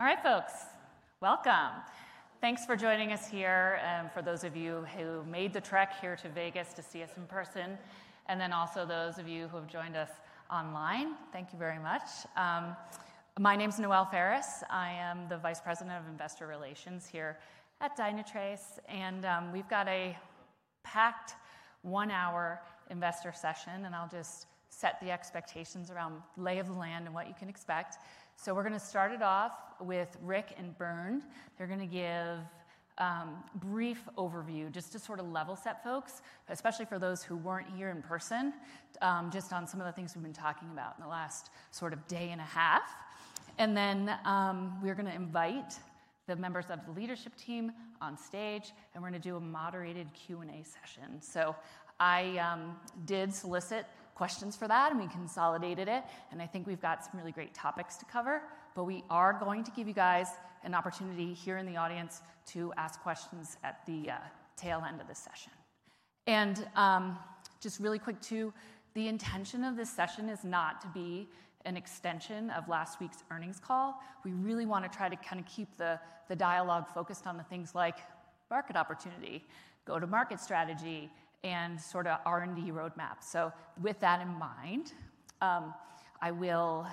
All right, folks, welcome. Thanks for joining us here. And for those of you who made the trek here to Vegas to see us in person, and then also those of you who have joined us online, thank you very much. My name is Noelle Faris. I am the Vice President of Investor Relations here at Dynatrace. And we've got a packed one-hour investor session, and I'll just set the expectations around lay of the land and what you can expect. So we're going to start it off with Rick and Bernd. They're going to give a brief overview just to sort of level set folks, especially for those who weren't here in person, just on some of the things we've been talking about in the last sort of day and a half. And then we're going to invite the members of the leadership team on stage, and we're going to do a moderated Q&A session. So, I did solicit questions for that, and we consolidated it. And I think we've got some really great topics to cover, but we are going to give you guys an opportunity here in the audience to ask questions at the tail end of the session. And just really quick, too, the intention of this session is not to be an extension of last week's earnings call. We really want to try to kind of keep the dialogue focused on the things like market opportunity, go-to-market strategy, and sort of R&D roadmaps. So, with that in mind, I will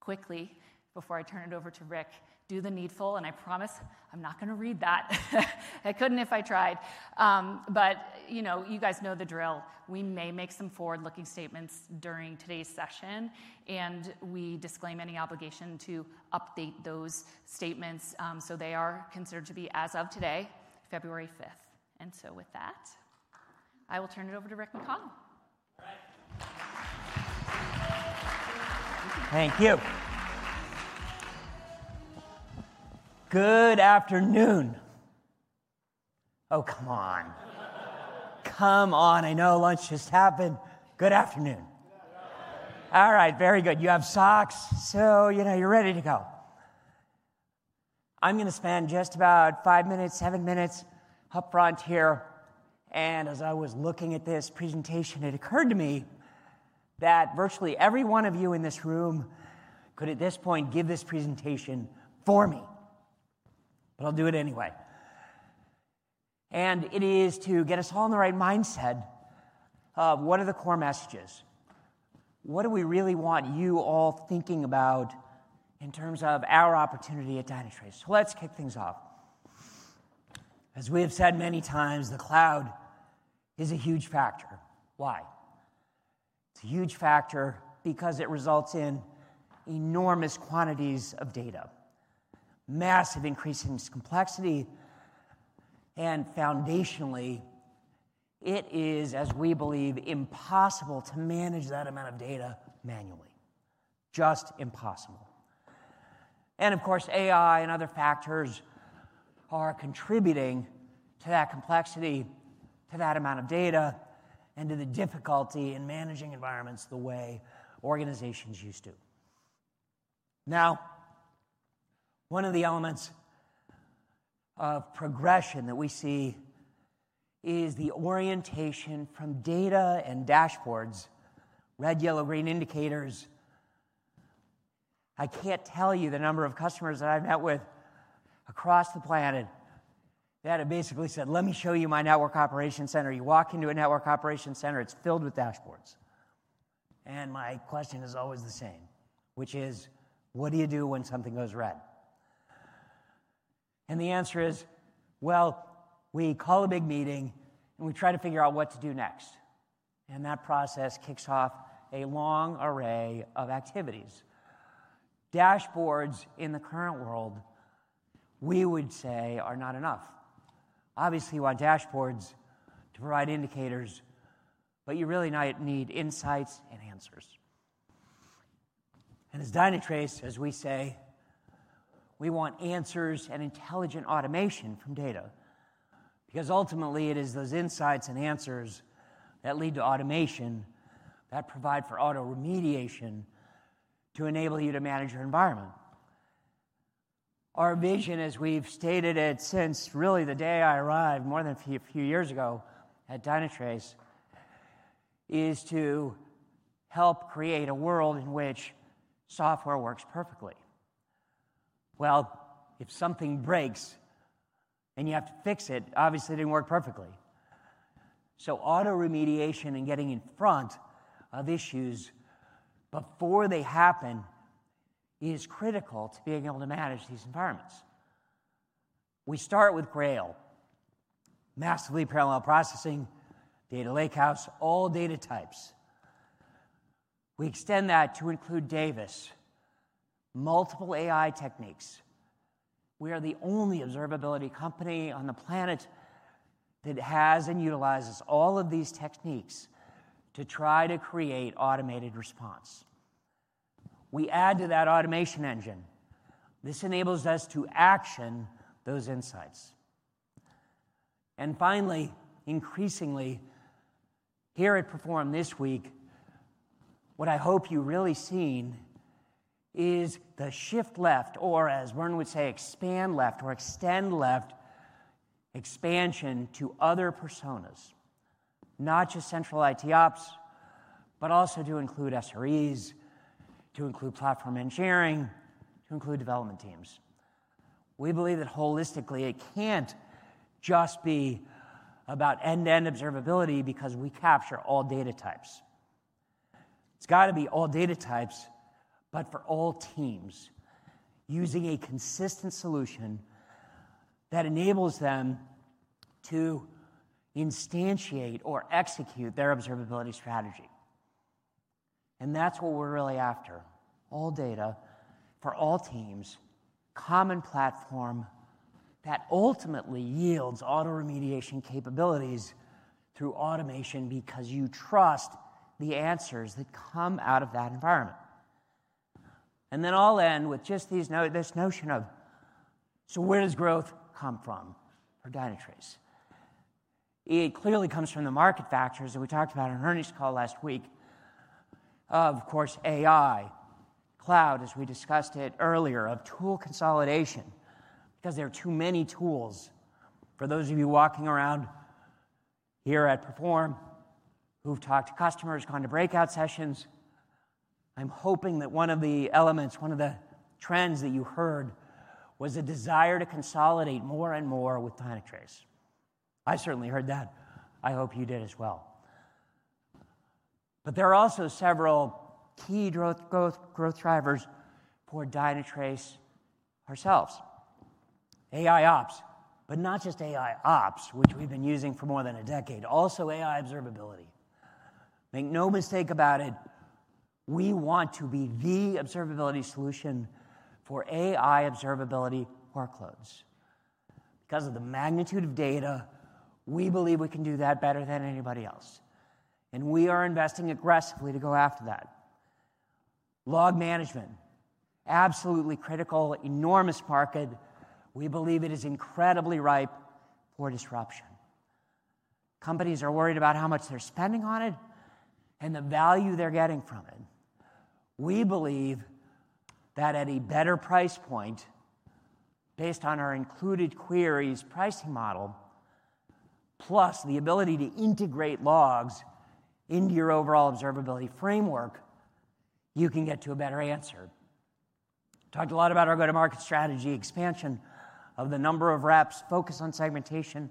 quickly, before I turn it over to Rick, do the needful. And I promise I'm not going to read that. I couldn't if I tried. But you guys know the drill. We may make some forward-looking statements during today's session, and we disclaim any obligation to update those statements. So, they are considered to be, as of today, February 5th. And so with that, I will turn it over to Rick McConnell. Thank you. Good afternoon. Oh, come on. Come on. I know lunch just happened. Good afternoon. All right, very good. You have socks, so you're ready to go. I'm going to spend just about five minutes, seven minutes up front here. And as I was looking at this presentation, it occurred to me that virtually every one of you in this room could, at this point, give this presentation for me. But I'll do it anyway. And it is to get us all in the right mindset of what are the core messages. What do we really want you all thinking about in terms of our opportunity at Dynatrace? So let's kick things off. As we have said many times, the cloud is a huge factor. Why? It's a huge factor because it results in enormous quantities of data, massive increases in complexity. Foundationally, it is, as we believe, impossible to manage that amount of data manually, just impossible. Of course, AI and other factors are contributing to that complexity, to that amount of data, and to the difficulty in managing environments the way organizations used to. Now, one of the elements of progression that we see is the orientation from data and dashboards, red, yellow, green indicators. I can't tell you the number of customers that I've met with across the planet that have basically said, "Let me show you my network operations center." You walk into a network operations center, it's filled with dashboards. My question is always the same, which is, what do you do when something goes red? The answer is, well, we call a big meeting, and we try to figure out what to do next. And that process kicks off a long array of activities. Dashboards in the current world, we would say, are not enough. Obviously, you want dashboards to provide indicators, but you really might need insights and answers. And as Dynatrace, as we say, we want answers and intelligent automation from data. Because ultimately, it is those insights and answers that lead to automation that provide for auto remediation to enable you to manage your environment. Our vision, as we've stated it since really the day I arrived more than a few years ago at Dynatrace, is to help create a world in which software works perfectly. Well, if something breaks and you have to fix it, obviously, it didn't work perfectly. So, auto-remediation and getting in front of issues before they happen is critical to being able to manage these environments. We start with Grail, massively parallel processing, data lakehouse, all data types. We extend that to include Davis, multiple AI techniques. We are the only observability company on the planet that has and utilizes all of these techniques to try to create automated response. We add to that Automation Engine. This enables us to action those insights. Finally, increasingly, here at Perform this week, what I hope you've really seen is the shift left, or as Bernd would say, expand left or extend left, expansion to other personas, not just central IT Ops, but also to include SREs, to include platform engineering, to include development teams. We believe that holistically, it can't just be about end-to-end observability because we capture all data types. It's got to be all data types, but for all teams, using a consistent solution that enables them to instantiate or execute their observability strategy. And that's what we're really after, all data for all teams, common platform that ultimately yields auto remediation capabilities through automation because you trust the answers that come out of that environment. And then I'll end with just this notion of, so where does growth come from for Dynatrace? It clearly comes from the market factors that we talked about in our earnings call last week. Of course, AI, cloud, as we discussed it earlier, of tool consolidation, because there are too many tools. For those of you walking around here at Perform who've talked to customers, gone to breakout sessions, I'm hoping that one of the elements, one of the trends that you heard was a desire to consolidate more and more with Dynatrace. I certainly heard that. I hope you did as well. But there are also several key growth drivers for Dynatrace ourselves. AIOps, but not just AIOps, which we've been using for more than a decade, also AI observability. Make no mistake about it, we want to be the observability solution for AI Observability workloads. Because of the magnitude of data, we believe we can do that better than anybody else, and we are investing aggressively to go after that. Log management, absolutely critical, enormous market. We believe it is incredibly ripe for disruption. Companies are worried about how much they're spending on it and the value they're getting from it. We believe that at a better price point, based on our included queries pricing model, plus the ability to integrate logs into your overall observability framework, you can get to a better answer. Talked a lot about our go-to-market strategy, expansion of the number of reps, focus on segmentation.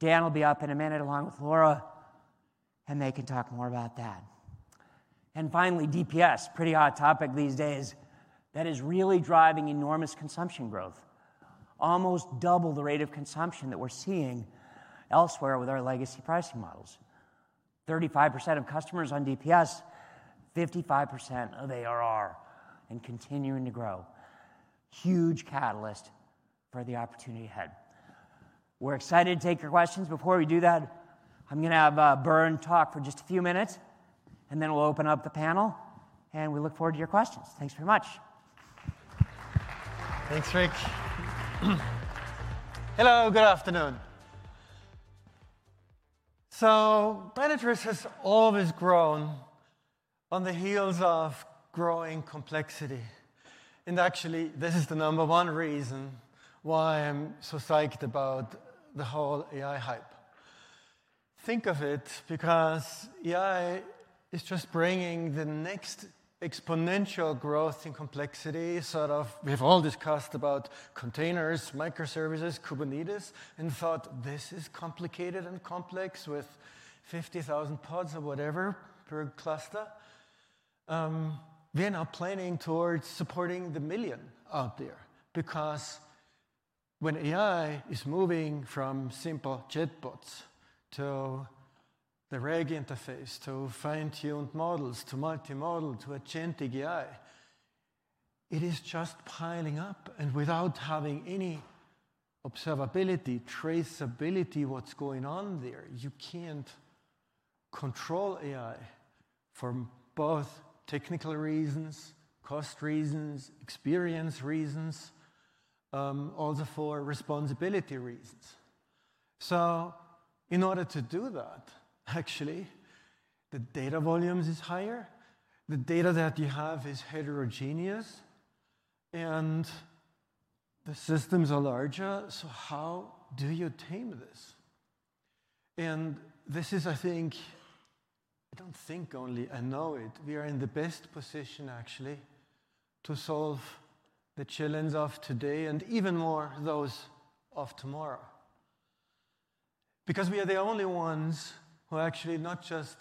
Dan will be up in a minute along with Laura, and they can talk more about that. And finally, DPS, pretty hot topic these days, that is really driving enormous consumption growth, almost double the rate of consumption that we're seeing elsewhere with our legacy pricing models. 35% of customers on DPS, 55% of ARR, and continuing to grow. Huge catalyst for the opportunity ahead. We're excited to take your questions. Before we do that, I'm going to have Bernd talk for just a few minutes, and then we'll open up the panel, and we look forward to your questions. Thanks so much. Thanks, Rick. Hello, good afternoon. So, Dynatrace has always grown on the heels of growing complexity. And actually, this is the number one reason why I'm so psyched about the whole AI hype. Think of it because AI is just bringing the next exponential growth in complexity. Sort of we have all discussed about containers, microservices, Kubernetes, and thought, this is complicated and complex with 50,000 pods or whatever per cluster. We are now planning towards supporting the million out there. Because when AI is moving from simple chatbots to the RAG interface, to fine-tuned models, to multimodal, to agentic AI, it is just piling up. And without having any observability, traceability, what's going on there, you can't control AI for both technical reasons, cost reasons, experience reasons, also for responsibility reasons. So, in order to do that, actually, the data volumes are higher. The data that you have is heterogeneous, and the systems are larger, so, how do you tame this? This is, I think, I don't think only, I know it. We are in the best position, actually, to solve the challenge of today and even more those of tomorrow. Because we are the only ones who actually not just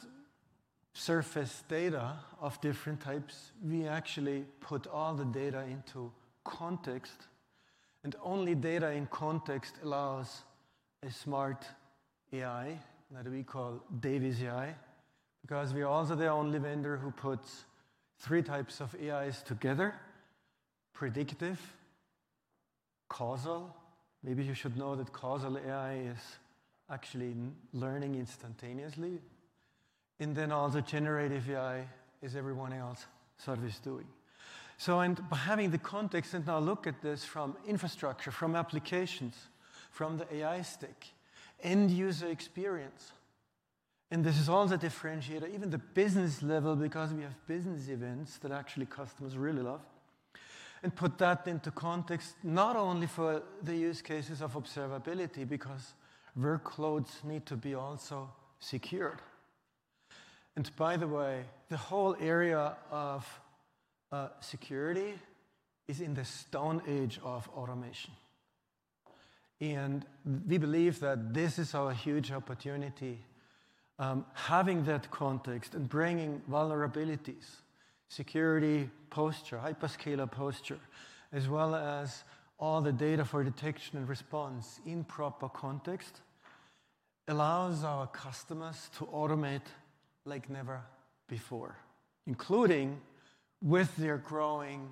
surface data of different types. We actually put all the data into context, and only data in context allows a smart AI that we call Davis AI. Because we are also the only vendor who puts three types of AIs together, Predictive, Causal. Maybe you should know that Causal AI is actually learning instantaneously. And then also Generative AI is everyone else, sort of, is doing. So, by having the context and now look at this from infrastructure, from applications, from the AI stack, end user experience. This is all the differentiator, even the business level, because we have business events that actually customers really love. Put that into context, not only for the use cases of observability, because workloads need to be also secured. By the way, the whole area of security is in the stone age of automation. We believe that this is our huge opportunity. Having that context and bringing vulnerabilities, security posture, hyperscaler posture, as well as all the data for detection and response in proper context allows our customers to automate like never before, including with their growing,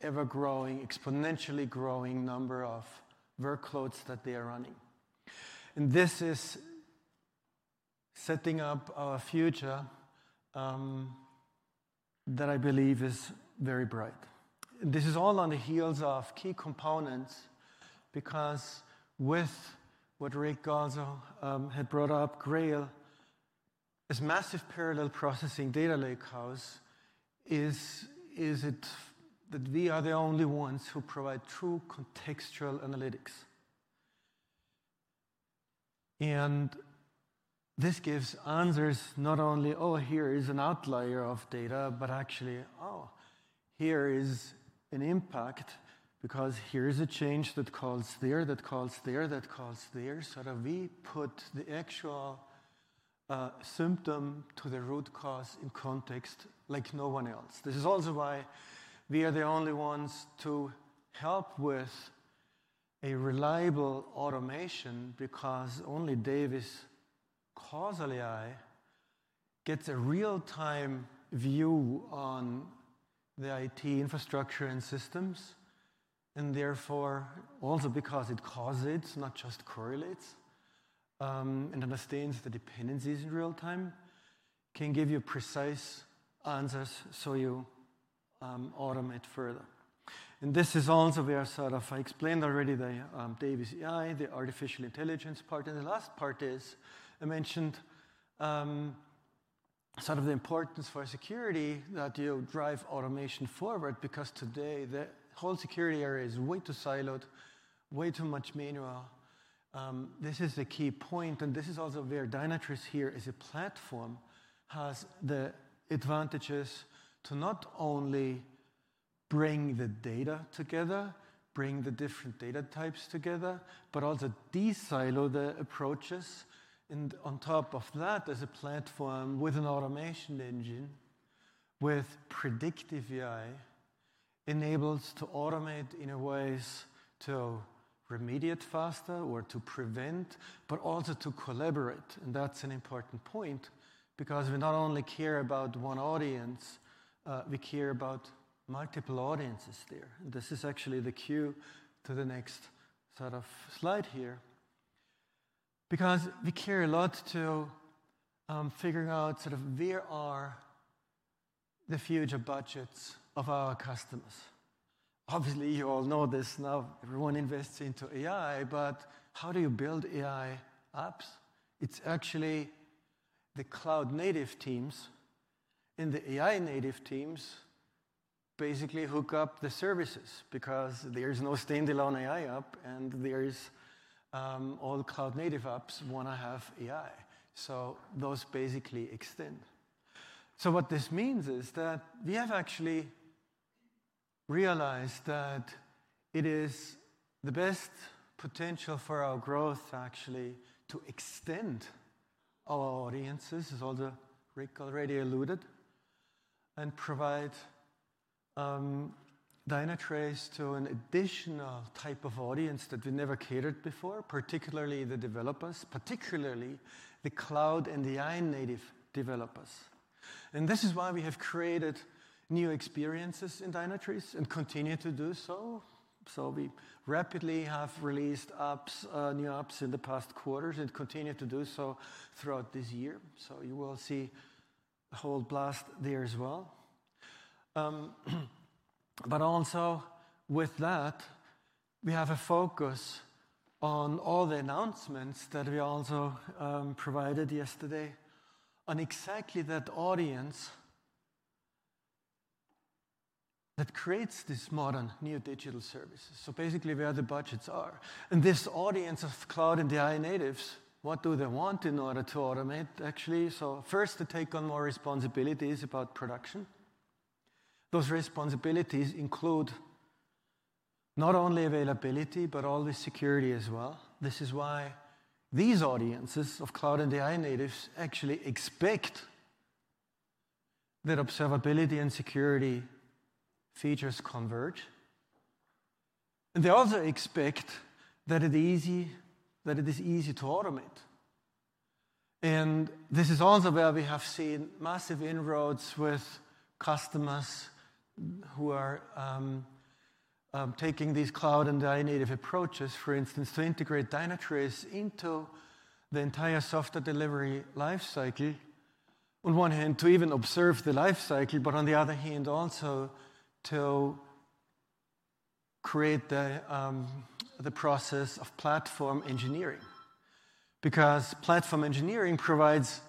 ever-growing, exponentially growing number of workloads that they are running. This is setting up our future that I believe is very bright. This is all on the heels of key components. Because with what Rick also had brought up, Grail, this massive parallel processing, data lakehouse is that we are the only ones who provide true contextual analytics. And this gives answers not only, "oh, here is an outlier of data", but actually, "oh, here is an impact because here is a change that calls there, that calls there, that calls there". Sort of, we put the actual symptom to the root cause in context like no one else. This is also why we are the only ones to help with a reliable automation because only Davis Causal AI gets a real-time view on the IT infrastructure and systems. And therefore, also because it causes, not just correlates, and understands the dependencies in real time, can give you precise answers so you automate further, and this is also where sort of I explained already the Davis AI, the artificial intelligence part. The last part is I mentioned sort of the importance for security that you drive automation forward because today the whole security area is way too siloed, way too much manual. This is a key point. This is also where Dynatrace here as a platform has the advantages to not only bring the data together, bring the different data types together, but also desilo the approaches. On top of that, as a platform with an automation engine, with Predictive AI, enables to automate in a way to remediate faster or to prevent, but also to collaborate. That's an important point because we not only care about one audience, we care about multiple audiences there. This is actually the cue to the next sort of slide here. Because we care a lot to figure out, sort of, where are the future budgets of our customers. Obviously, you all know this now. Everyone invests into AI, but how do you build AI apps? It's actually the cloud-native teams and the AI-native teams basically hook up the services because there is no standalone AI app and there is all cloud-native apps want to have AI. So, those basically extend, so what this means is that we have actually realized that it is the best potential for our growth actually to extend our audiences, as also Rick already alluded, and provide Dynatrace to an additional type of audience that we never catered before, particularly the developers, particularly the cloud and the AI-native developers. And this is why we have created new experiences in Dynatrace and continue to do so, so we rapidly have released new apps in the past quarters and continue to do so throughout this year. So, you will see the whole blast there as well. But also with that, we have a focus on all the announcements that we also provided yesterday on exactly that audience that creates these modern new digital services. So, basically where the budgets are, and this audience of cloud and the AI-natives—what do they want in order to automate actually, so first to take on more responsibilities about production? Those responsibilities include not only availability, but always security as well. This is why these audiences of cloud and the AI-natives actually expect that observability and security features converge. And they also expect that it is easy to automate, and this is also where we have seen massive inroads with customers who are taking these cloud and the AI-native approaches, for instance, to integrate Dynatrace into the entire software delivery lifecycle. On one hand, to even observe the lifecycle, but on the other hand, also to create the process of platform engineering. Because platform engineering provides,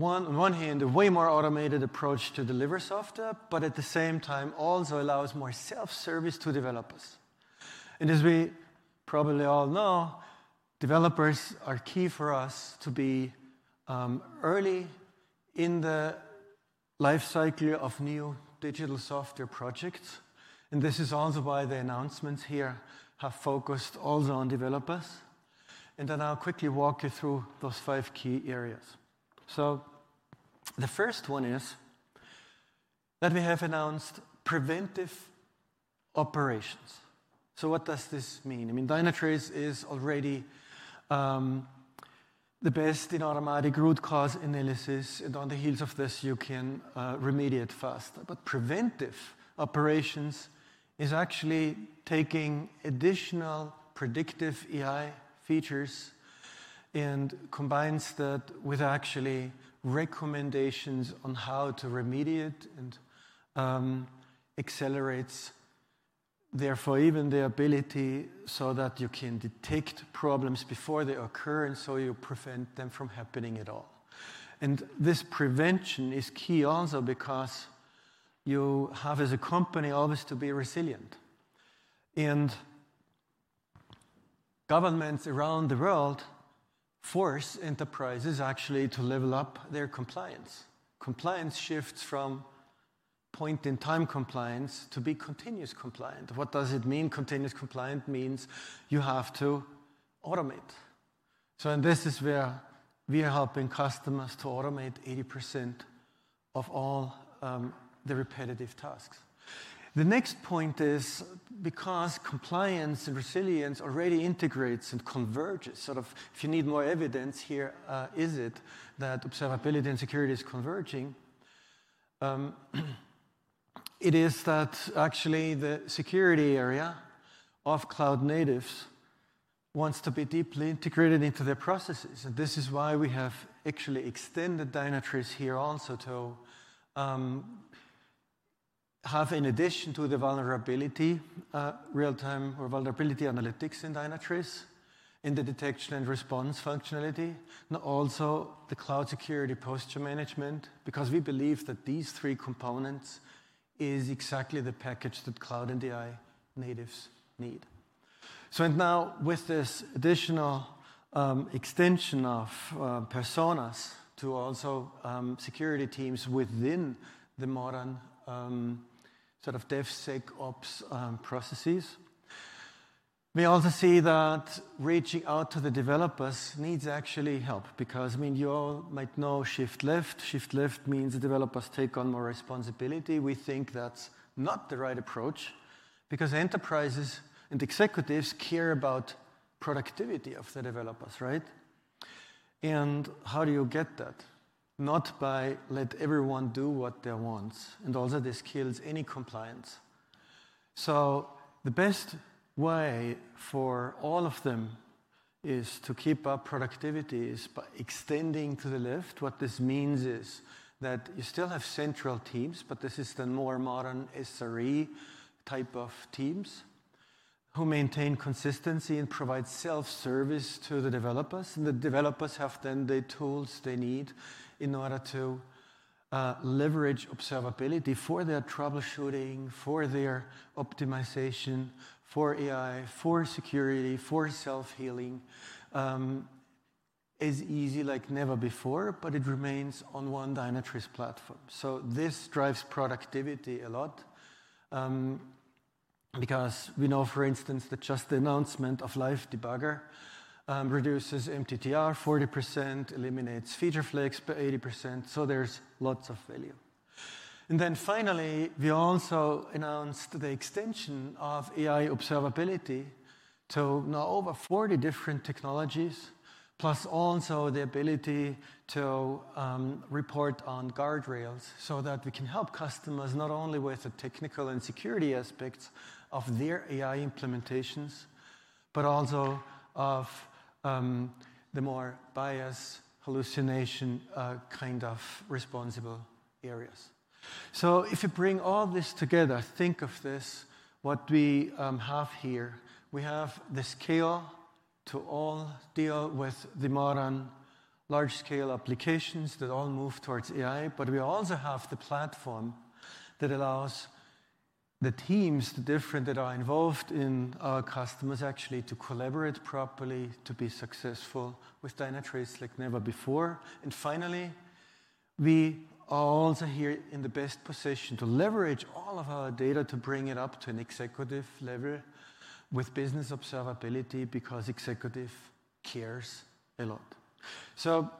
on one hand, a way more automated approach to deliver software, but at the same time, also allows more self-service to developers. And as we probably all know, developers are key for us to be early in the lifecycle of new digital software projects. And this is also why the announcements here have focused also on developers. And then I'll quickly walk you through those five key areas. So, the first one is that we have announced Preventive Operations. So, what does this mean? I mean, Dynatrace is already the best in automatic root cause analysis. And on the heels of this, you can remediate faster. But Preventive Operations is actually taking additional predictive AI features and combines that with actually recommendations on how to remediate and accelerates, therefore, even the ability so that you can detect problems before they occur and so you prevent them from happening at all. And this prevention is key also because you have as a company always to be resilient. And governments around the world force enterprises actually to level up their compliance. Compliance shifts from point-in-time compliance to be continuous compliant. What does it mean? Continuous compliant means you have to automate. So, this is where we are helping customers to automate 80% of all the repetitive tasks. The next point is because compliance and resilience already integrates and converges. Sort of if you need more evidence here, is it that observability and security is converging? It is that actually the security area of cloud natives wants to be deeply integrated into their processes, and this is why we have actually extended Dynatrace here also to have, in addition to the vulnerability, real-time or Vulnerability Analytics in Dynatrace and the Detection and Response functionality, and also the Cloud Security Posture Management, because we believe that these three components are exactly the package that cloud and the AI-natives need. So, now with this additional extension of personas to also security teams within the modern sort of DevSecOps processes, we also see that reaching out to the developers needs actually help. Because I mean, you all might know Shift Left. Shift left means the developers take on more responsibility. We think that's not the right approach. Because enterprises and executives care about the productivity of the developers, right, and how do you get that? Not by letting everyone do what they want. And also, this kills any compliance. So, the best way for all of them is to keep up productivity is by extending to the left. What this means is that you still have central teams, but this is the more modern SRE type of teams who maintain consistency and provide self-service to the developers. And the developers have then the tools they need in order to leverage observability for their troubleshooting, for their optimization, for AI, for security, for self-healing. It's easy like never before, but it remains on one Dynatrace Platform. So this drives productivity a lot. Because we know, for instance, that just the announcement of Live Debugger reduces MTTR 40%, eliminates feature flags by 80%. So there's lots of value. Then finally, we also announced the extension of AI Observability to now over 40 different technologies, plus also the ability to report on guardrails so that we can help customers not only with the technical and security aspects of their AI implementations, but also of the more bias, hallucination kind of responsible areas. If you bring all this together, think of this, what we have here, we have the scale to all deal with the modern large-scale applications that all move towards AI. We also have the platform that allows the teams, the different that are involved in our customers actually to collaborate properly to be successful with Dynatrace like never before. Finally, we are also here in the best position to leverage all of our data to bring it up to an executive level with Business Observability because executive cares a lot. So,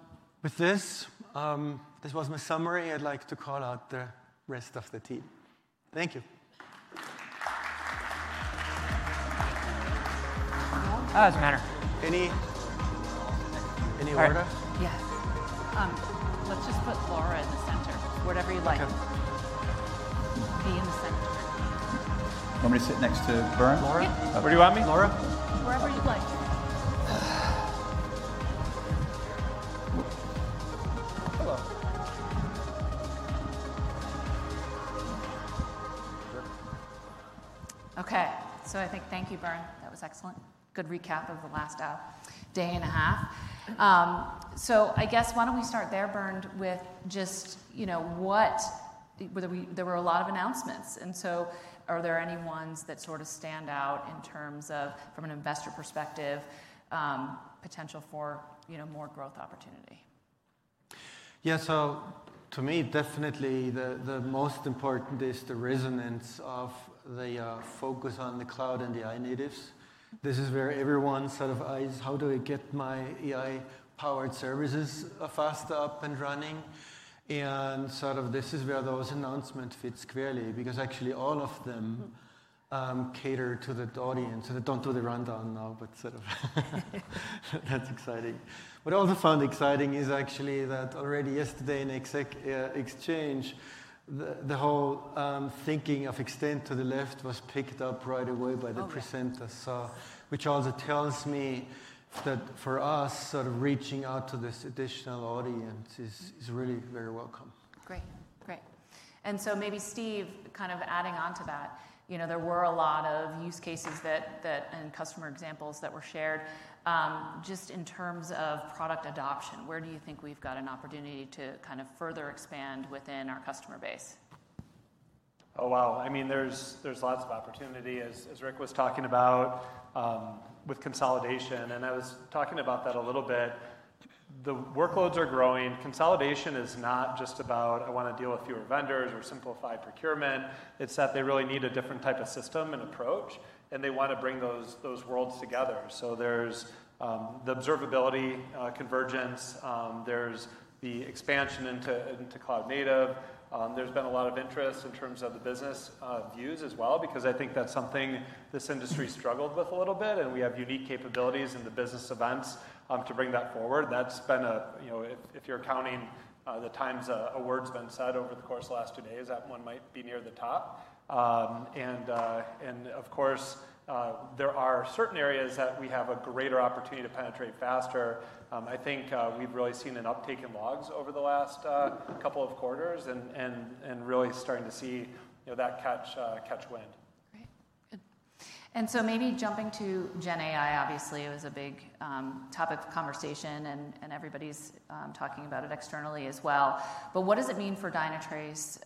with this, this was my summary. I'd like to call out the rest of the team. Thank you. Doesn't matter. Any word up? Yes. Let's just put Laura in the center. Wherever you like. Okay. Be in the center. I'm going to sit next to Bernd? Laura? Where do you want me? Laura? Wherever you'd like. Hello. Okay. So, I think thank you, Bernd. That was excellent. Good recap of the last day and a half. So, I guess why don't we start there, Bernd, with just what there were a lot of announcements. And so, are there any ones that sort of stand out in terms of, from an investor perspective, potential for more growth opportunity? Yeah. So, to me, definitely the most important is the resonance of the focus on the cloud and the AI-natives. This is where everyone, sort of, eyes," how do I get my AI-powered services faster up and running"? And sort of this is where those announcements fit squarely because actually all of them cater to the audience. So, they don't do the rundown now, but sort of that's exciting. What I also found exciting is actually that already yesterday in the exchange, the whole thinking of extend to the left was picked up right away by the presenters. So, which also tells me that for us, sort of reaching out to this additional audience is really very welcome. Great. Great. And so maybe Steve, kind of adding on to that, there were a lot of use cases and customer examples that were shared. Just in terms of product adoption, where do you think we've got an opportunity to kind of further expand within our customer base? Oh, wow. I mean, there's lots of opportunity, as Rick was talking about, with consolidation. And I was talking about that a little bit. The workloads are growing. Consolidation is not just about, I want to deal with fewer vendors or simplify procurement. It's that they really need a different type of system and approach, and they want to bring those worlds together. So, there's the observability convergence. There's the expansion into cloud native. There's been a lot of interest in terms of the business views as well because I think that's something this industry struggled with a little bit. And we have unique capabilities in the business events to bring that forward. That's been a, if you're counting the times a word's been said over the course of the last two days, that one might be near the top. And of course, there are certain areas that we have a greater opportunity to penetrate faster. I think we've really seen an uptake in logs over the last couple of quarters and really starting to see that catch wind. Great. Good. And so maybe jumping to GenAI, obviously, it was a big topic of conversation and everybody's talking about it externally as well. But what does it mean for Dynatrace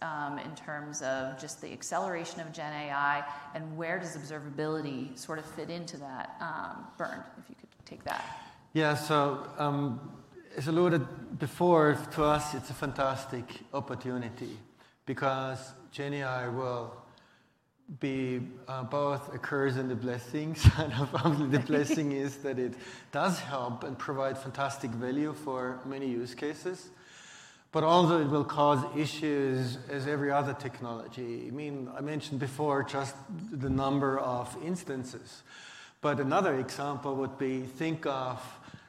in terms of just the acceleration of GenAI and where does observability sort of fit into that, Bernd, if you could take that? Yeah. So, as alluded before, to us, it's a fantastic opportunity because GenAI will be both a curse and a blessing. The blessing is that it does help and provides fantastic value for many use cases. But also, it will cause issues as every other technology. I mean, I mentioned before just the number of instances. But another example would be think of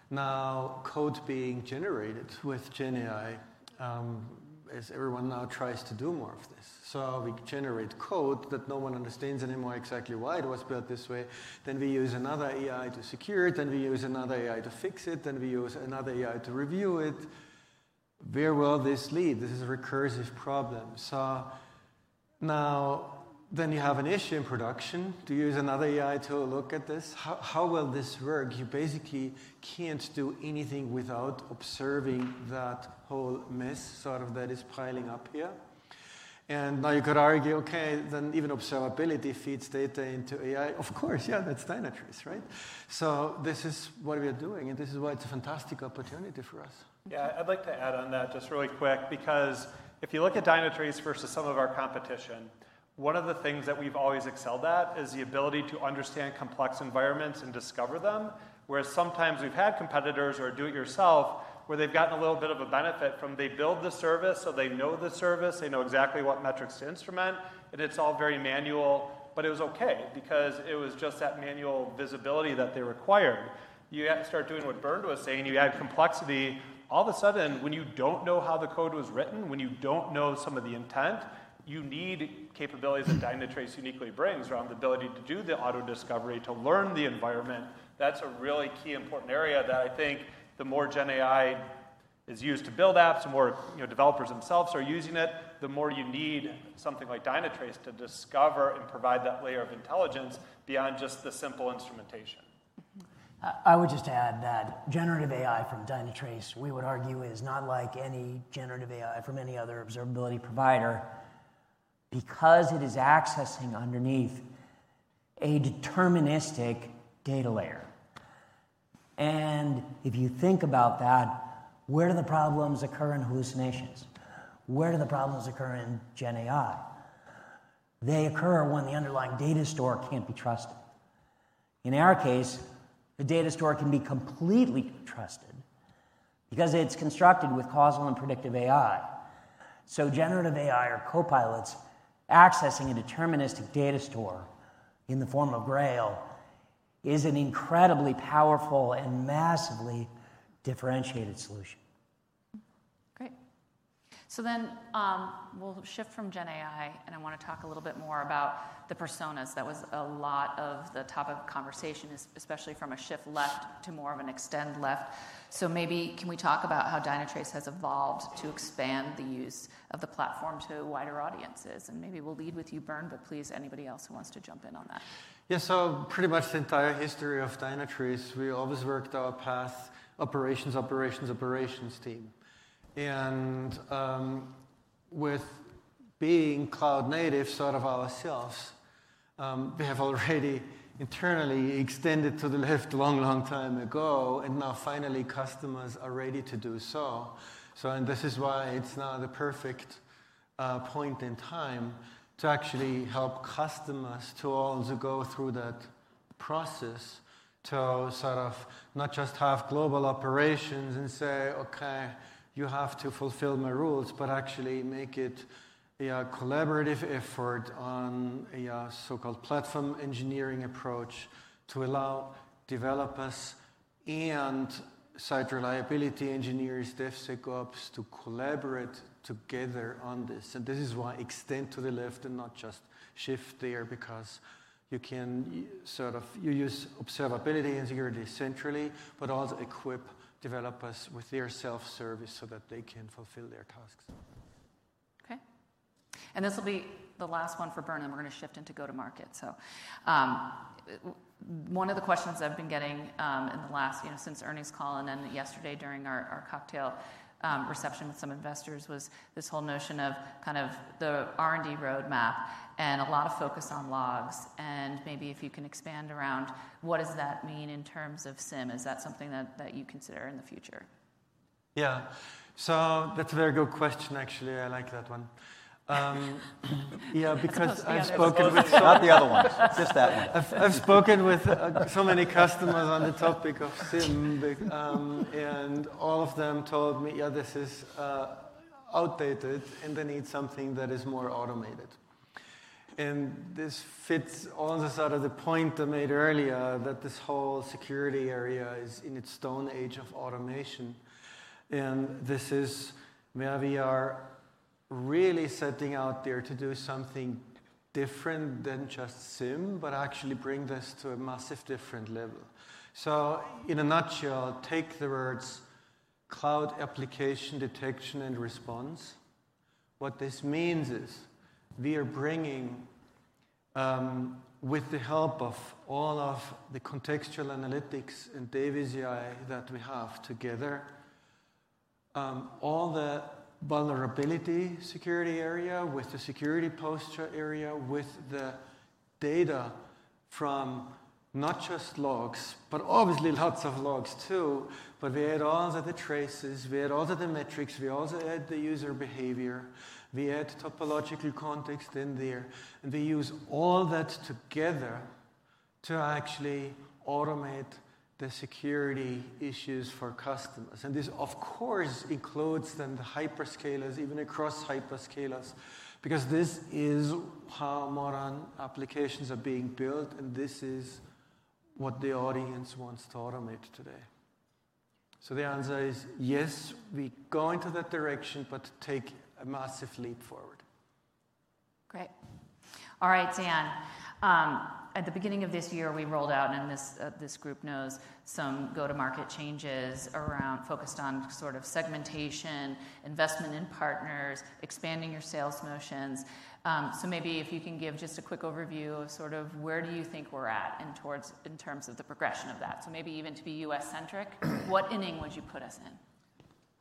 now code being generated with GenAI as everyone now tries to do more of this. So, we generate code that no one understands anymore exactly why it was built this way. Then we use another AI to secure it. Then we use another AI to fix it. Then we use another AI to review it. Where will this lead? This is a recursive problem. So, now then you have an issue in production. Do you use another AI to look at this? How will this work? You basically can't do anything without observing that whole mess sort of that is piling up here. And now you could argue, okay, then even observability feeds data into AI. Of course, yeah, that's Dynatrace, right? So, this is what we are doing. And this is why it's a fantastic opportunity for us. Yeah. I'd like to add on that just really quick because if you look at Dynatrace versus some of our competition, one of the things that we've always excelled at is the ability to understand complex environments and discover them. Whereas sometimes we've had competitors or do-it-yourself where they've gotten a little bit of a benefit from, they build the service, so they know the service, they know exactly what metrics to instrument, and it's all very manual. But it was okay because it was just that manual visibility that they required. You start doing what Bernd was saying, you add complexity. All of a sudden, when you don't know how the code was written, when you don't know some of the intent, you need capabilities that Dynatrace uniquely brings around the ability to do the auto-discovery, to learn the environment. That's a really key important area that I think the more GenAI is used to build apps, the more developers themselves are using it, the more you need something like Dynatrace to discover and provide that layer of intelligence beyond just the simple instrumentation. I would just add that generative AI from Dynatrace, we would argue is not like any generative AI from any other Observability provider because it is accessing underneath a deterministic data layer. And if you think about that, where do the problems occur in hallucinations? Where do the problems occur in GenAI? They occur when the underlying data store can't be trusted. In our case, the data store can be completely trusted because it's constructed with causal and predictive AI. So, generative AI or copilots accessing a deterministic data store in the form of Grail is an incredibly powerful and massively differentiated solution. Great. So, then we'll shift from GenAI, and I want to talk a little bit more about the personas. That was a lot of the topic of conversation, especially from a shift left to more of an extend left. So, maybe can we talk about how Dynatrace has evolved to expand the use of the platform to wider audiences? And maybe we'll lead with you, Bernd, but please, anybody else who wants to jump in on that. Yeah. So, pretty much the entire history of Dynatrace, we always worked with our IT operations, operations, operations team. And with being cloud-native sort of ourselves, we have already internally extended to the left a long, long time ago. And now finally customers are ready to do so. And this is why it's now the perfect point in time to actually help customers to also go through that process to sort of not just have global operations and say, "okay, you have to fulfill my rules", but actually make it a collaborative effort on a so-called platform engineering approach to allow developers and site reliability engineers, DevSecOps to collaborate together on this. This is why Extend Left and not just shift there because you can sort of use observability and security centrally but also equip developers with their self-service so that they can fulfill their tasks. Okay. And this will be the last one for Bernd, and we're going to shift into go-to-market. So, one of the questions I've been getting in the last since earnings call, and then yesterday during our cocktail reception with some investors was this whole notion of kind of the R&D roadmap and a lot of focus on logs. And maybe if you can expand around what does that mean in terms of SIEM, is that something that you consider in the future? Yeah, so that's a very good question, actually. I like that one. Yeah, because I've spoken with. Not the other one. Just that one. I've spoken with so many customers on the topic of SIEM, and all of them told me, "Yeah, this is outdated" and they need something that is more automated. And this fits all the sort of the point I made earlier that this whole security area is in its stone age of automation. And this is where we are really setting out there to do something different than just SIEM but actually bring this to a massive different level. In a nutshell, take the words Cloud Application Detection and Response. What this means is we are bringing, with the help of all of the Contextual Analytics and Davis AI that we have, together all the Vulnerability Security Area with the Security Posture Area with the data from not just logs, but obviously lots of logs too, but we add all of the traces. We add all of the metrics. We also add the user behavior. We add topological context in there, and we use all that together to actually automate the security issues for customers. And this, of course, includes then the hyperscalers even across hyperscalers because this is how modern applications are being built, and this is what the audience wants to automate today. So, the answer is yes, we go into that direction but take a massive leap forward. Great. All right, Dan. At the beginning of this year, we rolled out, and this group knows some go-to-market changes around, focused on sort of segmentation, investment in partners, expanding your sales motions. So, maybe if you can give just a quick overview of sort of where do you think we're at in terms of the progression of that? So maybe even to be U.S.-centric, what inning would you put us in?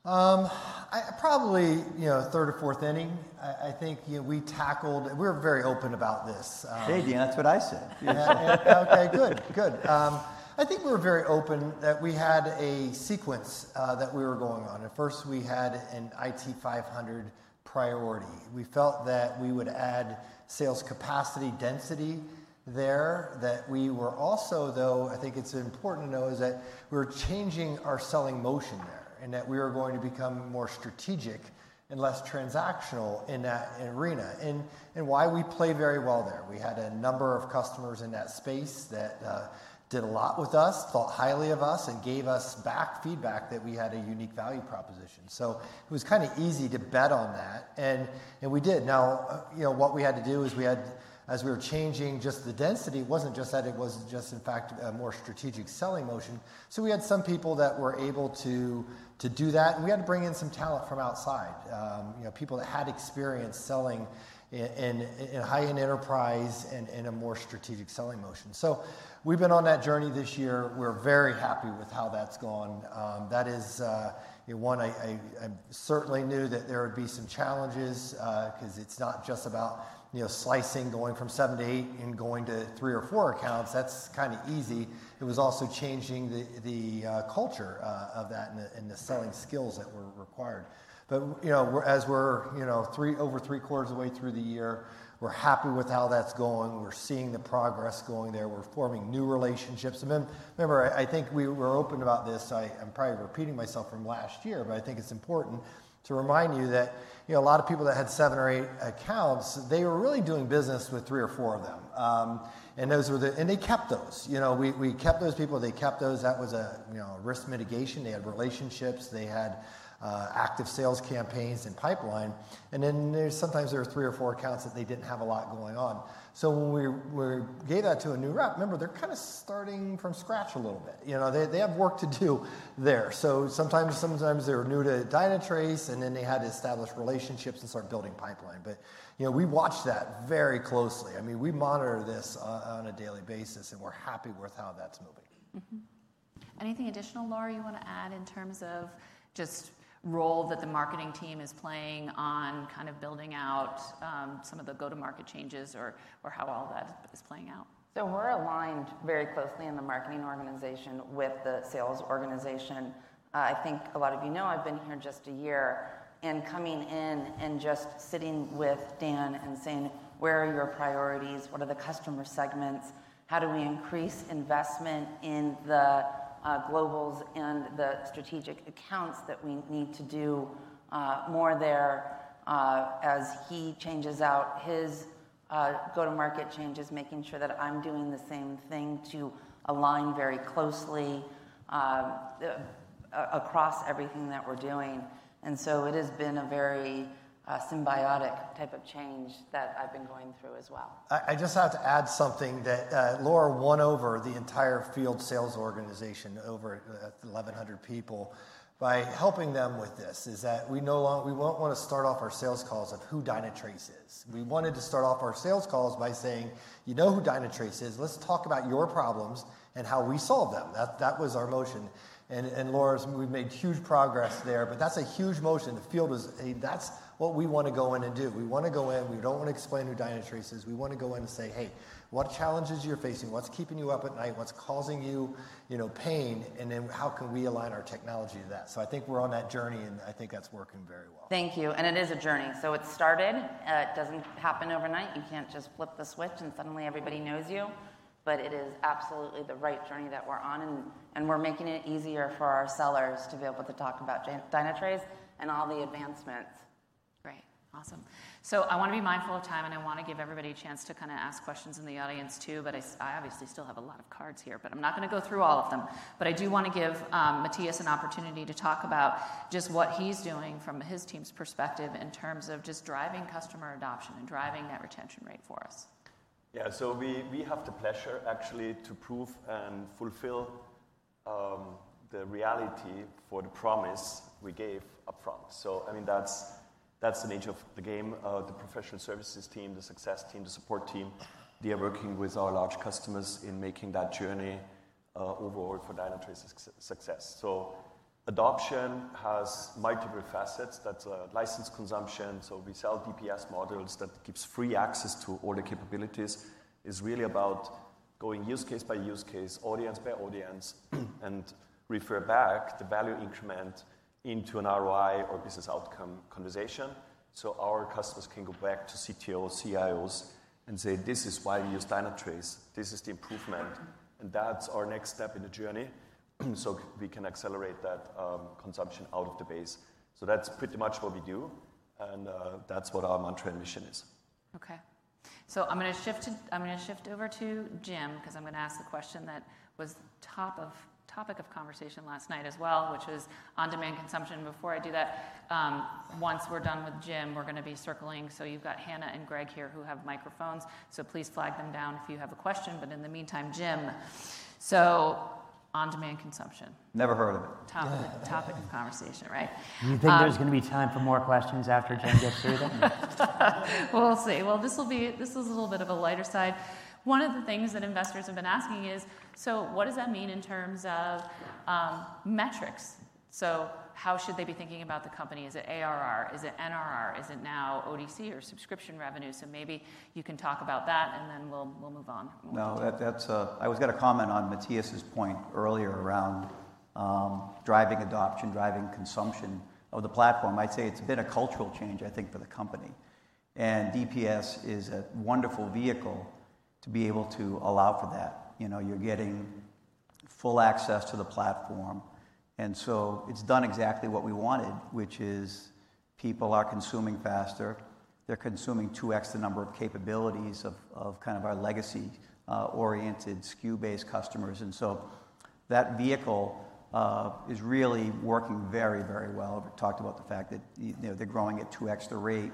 Probably third or fourth inning. I think we were very open about this. Hey, Dan, that's what I said. Yeah. Okay, good. Good. I think we were very open that we had a sequence that we were going on. At first, we had an IT 500 priority. We felt that we would add sales capacity density there. That we were also, though, I think it's important to know is that we were changing our selling motion there and that we were going to become more strategic and less transactional in that arena. And why we play very well there. We had a number of customers in that space that did a lot with us, thought highly of us, and gave us back feedback that we had a unique value proposition. So, it was kind of easy to bet on that, and we did. Now, what we had to do is we had, as we were changing just the density, it wasn't just that; in fact, it was a more strategic selling motion, so we had some people that were able to do that, and we had to bring in some talent from outside. People that had experience selling in high-end enterprise and a more strategic selling motion. So, we've been on that journey this year. We're very happy with how that's gone. That is one. I certainly knew that there would be some challenges because it's not just about slicing, going from seven to eight and going to three or four accounts. That's kind of easy. It was also changing the culture of that and the selling skills that were required, but as we're over 3/4 of the way through the year, we're happy with how that's going. We're seeing the progress going there. We're forming new relationships, and remember, I think we were open about this. I'm probably repeating myself from last year, but I think it's important to remind you that a lot of people that had seven or eight accounts, they were really doing business with three or four of them, and they kept those. We kept those people. They kept those. That was a risk mitigation. They had relationships. They had active sales campaigns in pipeline, and then sometimes there were three or four accounts that they didn't have a lot going on, so when we gave that to a new rep, remember, they're kind of starting from scratch a little bit. They have work to do there, so sometimes they were new to Dynatrace, and then they had to establish relationships and start building pipeline, but we watched that very closely. I mean, we monitor this on a daily basis, and we're happy with how that's moving. Anything additional, Laura, you want to add in terms of just role that the marketing team is playing on kind of building out some of the go-to-market changes or how all that is playing out? So, we're aligned very closely in the marketing organization with the sales organization. I think a lot of you know I've been here just a year and coming in and just sitting with Dan and saying, "Where are your priorities? What are the customer segments? How do we increase investment in the globals and the strategic accounts that we need to do more there?" As he changes out his go-to-market changes, making sure that I'm doing the same thing to align very closely across everything that we're doing. And so, it has been a very symbiotic type of change that I've been going through as well. I just have to add something that Laura won over the entire field sales organization over 1,100 people by helping them with this is that we don't want to start off our sales calls with who Dynatrace is. We wanted to start off our sales calls by saying, "you know who Dynatrace is, let's talk about your problems and how we solve them". That was our motion. And Laura, we've made huge progress there, but that's a huge motion. The field is, that's what we want to go in and do. We want to go in. We don't want to explain who Dynatrace is. We want to go in and say, "hey, what challenges you're facing? What's keeping you up at night? What's causing you pain? And then how can we align our technology to that?" So, I think we're on that journey, and I think that's working very well. Thank you. And it is a journey. So, it started. It doesn't happen overnight. You can't just flip the switch and suddenly everybody knows you. But it is absolutely the right journey that we're on, and we're making it easier for our sellers to be able to talk about Dynatrace and all the advancements. Great. Awesome. So, I want to be mindful of time, and I want to give everybody a chance to kind of ask questions in the audience too. But I obviously still have a lot of cards here, but I'm not going to go through all of them. But I do want to give Matthias an opportunity to talk about just what he's doing from his team's perspective in terms of just driving customer adoption and driving that retention rate for us. Yeah. So, we have the pleasure actually to prove and fulfill the reality for the promise we gave upfront. So, I mean, that's the nature of the game. The Professional Services Team, the Success Team, the Support Team. They are working with our large customers in making that journey overall for Dynatrace's success. So, adoption has multiple facets. That's license consumption. So, we sell DPS models that gives free access to all the capabilities. It's really about going use case by use case, audience by audience, and refer back the value increment into an ROI or business outcome conversation. So, our customers can go back to CTOs, CIOs, and say, "This is why we use Dynatrace. This is the improvement." And that's our next step in the journey so we can accelerate that consumption out of the base. That's pretty much what we do, and that's what our mantra and mission is. Okay. So, I'm going to shift over to Jim because I'm going to ask a question that was topic of conversation last night as well, which was on-demand consumption. Before I do that, once we're done with Jim, we're going to be circling. So, you've got Hannah and Greg here who have microphones. So, please flag them down if you have a question. But in the meantime, Jim, so on-demand consumption. Never heard of it. Topic of conversation, right? Do you think there's going to be time for more questions after Jim gets through there? We'll see. This is a little bit of a lighter side. One of the things that investors have been asking is, so what does that mean in terms of metrics? So, how should they be thinking about the company? Is it ARR? Is it NRR? Is it now ODC or subscription revenue? So, maybe you can talk about that, and then we'll move on. No, I was going to comment on Matthias's point earlier around driving adoption, driving consumption of the platform. I'd say it's been a cultural change, I think, for the company. And DPS is a wonderful vehicle to be able to allow for that. You're getting full access to the platform. And so, it's done exactly what we wanted, which is people are consuming faster. They're consuming 2x the number of capabilities of kind of our legacy-oriented SKU-based customers. And so, that vehicle is really working very, very well. We talked about the fact that they're growing at 2x the rate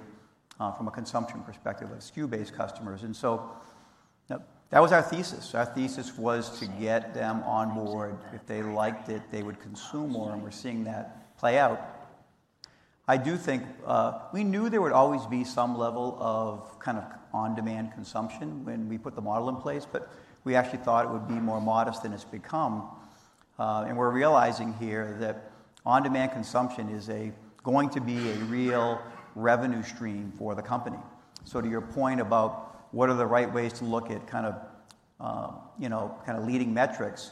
from a consumption perspective of SKU-based customers. And so, that was our thesis. Our thesis was to get them on board. If they liked it, they would consume more, and we're seeing that play out. I do think we knew there would always be some level of kind of on-demand consumption when we put the model in place, but we actually thought it would be more modest than it's become, and we're realizing here that on-demand consumption is going to be a real revenue stream for the company. So, to your point about what are the right ways to look at kind of leading metrics.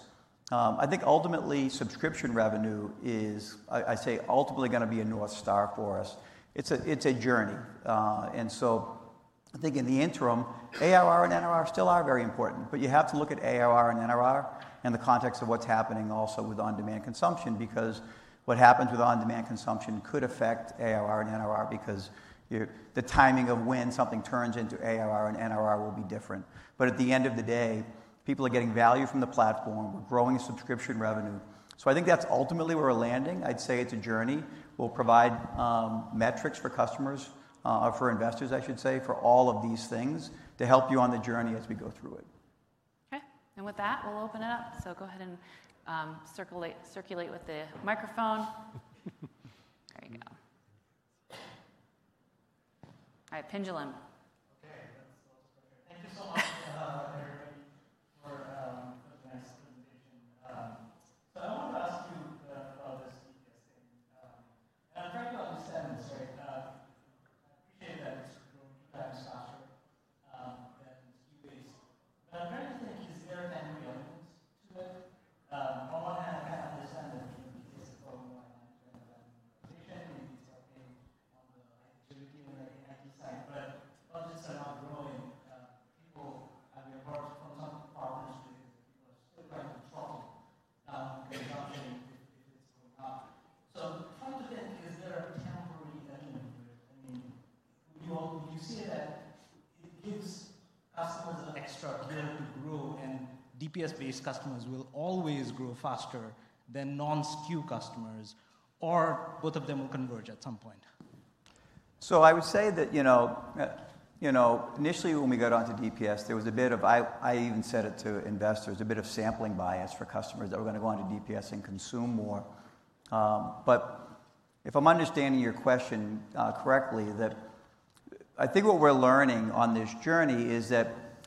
I think ultimately subscription revenue is, I say, ultimately going to be a North Star for us. It's a journey. And so, I think in the interim, ARR and NRR still are very important, but you have to look at ARR and NRR in the context of what's happening also with on-demand consumption because what happens with on-demand consumption could affect ARR and NRR because the timing of when something turns into ARR and NRR will be different. But at the end of the day, people are getting value from the platform. We're growing subscription revenue. So, I think that's ultimately where we're landing. I'd say it's a journey. We'll provide metrics for customers, for investors, I should say, for all of these things to help you on the journey as we go through it. Okay. And with that, we'll open it up. So, go ahead and circulate with the microphone. There you go. All right, Pinjalim. Okay. Thank you so much,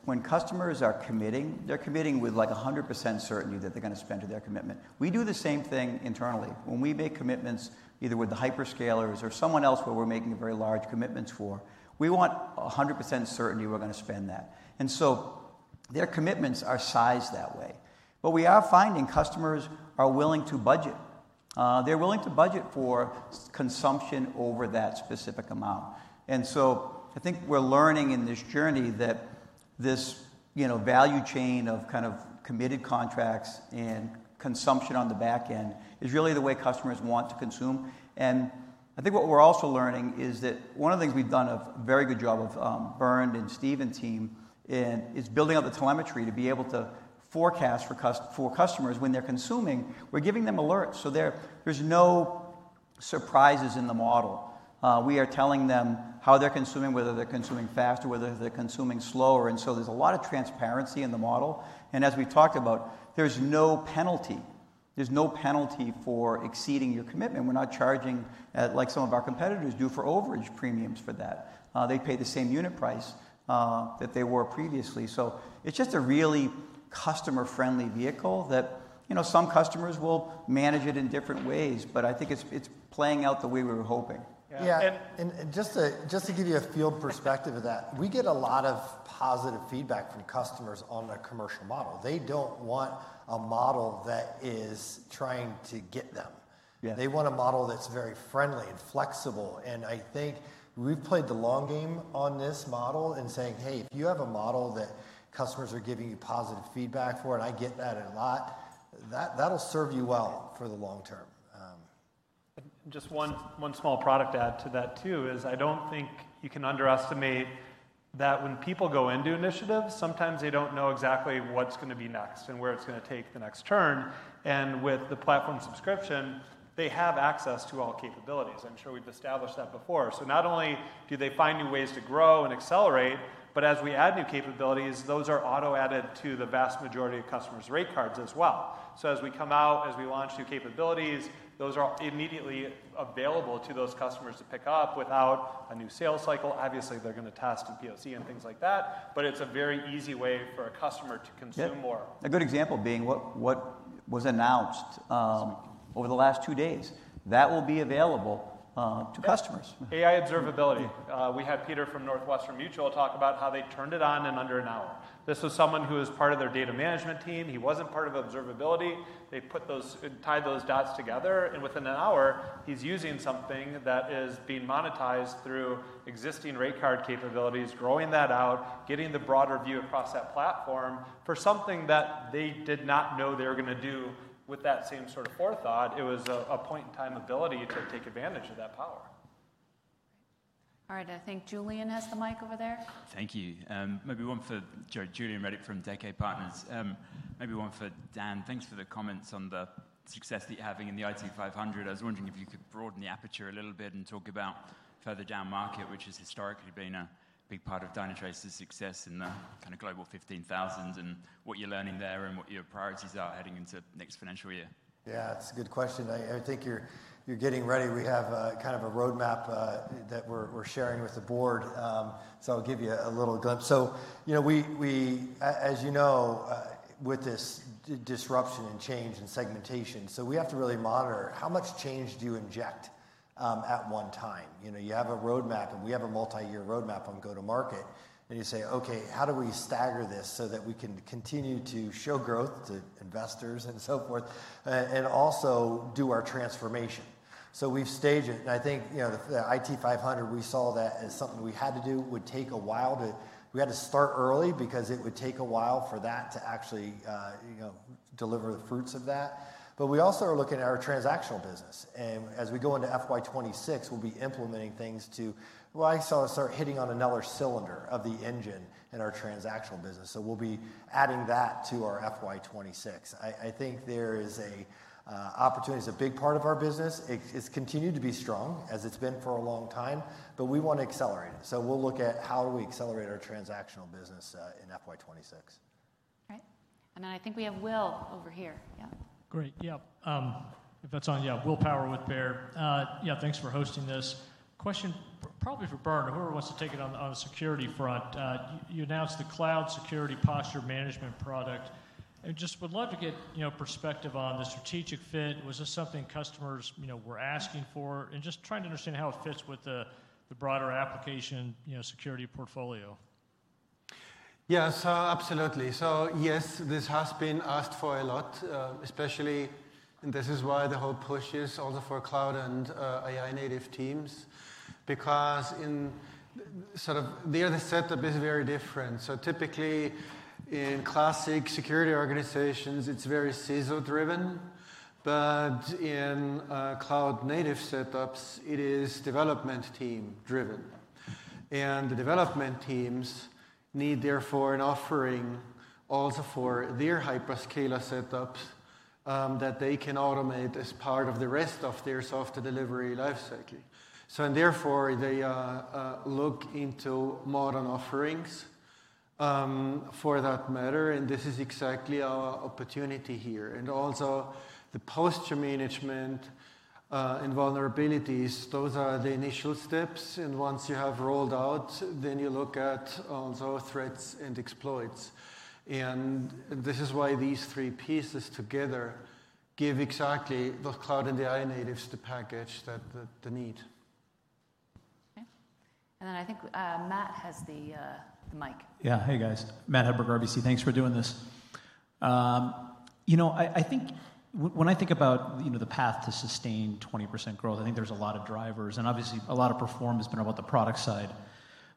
when customers are committing, they're committing with like 100% certainty that they're going to spend to their commitment. We do the same thing internally. When we make commitments either with the hyperscalers or someone else where we're making very large commitments for, we want 100% certainty we're going to spend that. And so, their commitments are sized that way. But we are finding customers are willing to budget. They're willing to budget for consumption over that specific amount. And so, I think we're learning in this journey that this value chain of kind of committed contracts and consumption on the back end is really the way customers want to consume. And I think what we're also learning is that one of the things we've done a very good job of, Bernd and Steve's team, is building out the telemetry to be able to forecast for customers when they're consuming. We're giving them alerts. So, there's no surprises in the model. We are telling them how they're consuming, whether they're consuming faster, whether they're consuming slower. And so, there's a lot of transparency in the model. And as we've talked about, there's no penalty. There's no penalty for exceeding your commitment. We're not charging like some of our competitors do for overage premiums for that. They pay the same unit price that they were previously. So it's just a really customer-friendly vehicle that some customers will manage it in different ways, but I think it's playing out the way we were hoping. Yeah. And just to give you a field perspective of that, we get a lot of positive feedback from customers on the commercial model. They don't want a model that is trying to get them. They want a model that's very friendly and flexible. And I think we've played the long game on this model and saying, hey, if you have a model that customers are giving you positive feedback for, and I get that a lot, that'll serve you well for the long term. Just one small product add to that too is I don't think you can underestimate that when people go into initiatives, sometimes they don't know exactly what's going to be next and where it's going to take the next turn. With the platform subscription, they have access to all capabilities. I'm sure we've established that before. So, not only do they find new ways to grow and accelerate, but as we add new capabilities, those are auto-added to the vast majority of customers' rate cards as well. So, as we come out, as we launch new capabilities, those are immediately available to those customers to pick up without a new sales cycle. Obviously, they're going to test and POC and things like that, but it's a very easy way for a customer to consume more. A good example being what was announced over the last two days. That will be available to customers. AI Observability. We had Peter from Northwestern Mutual talk about how they turned it on in under an hour. This was someone who is part of their data management team. He wasn't part of observability. They tied those dots together, and within an hour, he's using something that is being monetized through existing rate card capabilities, growing that out, getting the broader view across that platform for something that they did not know they were going to do with that same sort of forethought. It was a point-in-time ability to take advantage of that power. All right. I think Julian has the mic over there. Thank you. Maybe one for Julian Reddick from Decade Partners. Maybe one for Dan. Thanks for the comments on the success that you're having in the IT 500. I was wondering if you could broaden the aperture a little bit and talk about further down market, which has historically been a big part of Dynatrace's success in the kind of Global 15,000s and what you're learning there and what your priorities are heading into next financial year. Yeah, that's a good question. I think you're getting ready. We have kind of a roadmap that we're sharing with the board. So, I'll give you a little glimpse. So, as you know, with this disruption and change and segmentation, so we have to really monitor how much change do you inject at one time. You have a roadmap, and we have a multi-year roadmap on go-to-market. And you say, okay, how do we stagger this so that we can continue to show growth to investors and so forth and also do our transformation? So, we've staged it. And I think the IT 500, we saw that as something we had to do. It would take a while to—we had to start early because it would take a while for that to actually deliver the fruits of that. But we also are looking at our transactional business. And as we go into FY2026, we'll be implementing things to, well, I saw it start hitting on another cylinder of the engine in our transactional business. So, we'll be adding that to our FY2026. I think there is an opportunity. It's a big part of our business. It's continued to be strong as it's been for a long time, but we want to accelerate it. So, we'll look at how do we accelerate our transactional business in FY2026. All right, and then I think we have Will over here. Yeah. Great. Yeah. If that's on, yeah, Will Power with Baird. Yeah, thanks for hosting this. Question probably for Bernd, whoever wants to take it on the security front. You announced the Cloud Security Posture Management product. And just would love to get perspective on the strategic fit. Was this something customers were asking for? And just trying to understand how it fits with the broader application security portfolio. Yes, absolutely. So yes, this has been asked for a lot, especially, and this is why the whole push is also for cloud and AI-native teams, because sort of their setup is very different. So typically, in classic security organizations, it's very CISO-driven. But in cloud-native setups, it is development team-driven. And the development teams need, therefore, an offering also for their hyperscaler setups that they can automate as part of the rest of their software delivery lifecycle. So therefore, they look into modern offerings for that matter. And this is exactly our opportunity here. And also, the posture management and vulnerabilities, those are the initial steps. And once you have rolled out, then you look at also threats and exploits. And this is why these three pieces together give exactly the cloud and the AI-natives the package that they need. Okay, and then I think Matt has the mic. Yeah. Hey, guys. Matt Hedberg, RBC. Thanks for doing this. You know, I think when I think about the path to sustain 20% growth, I think there's a lot of drivers. And obviously, a lot of Perform has been about the product side.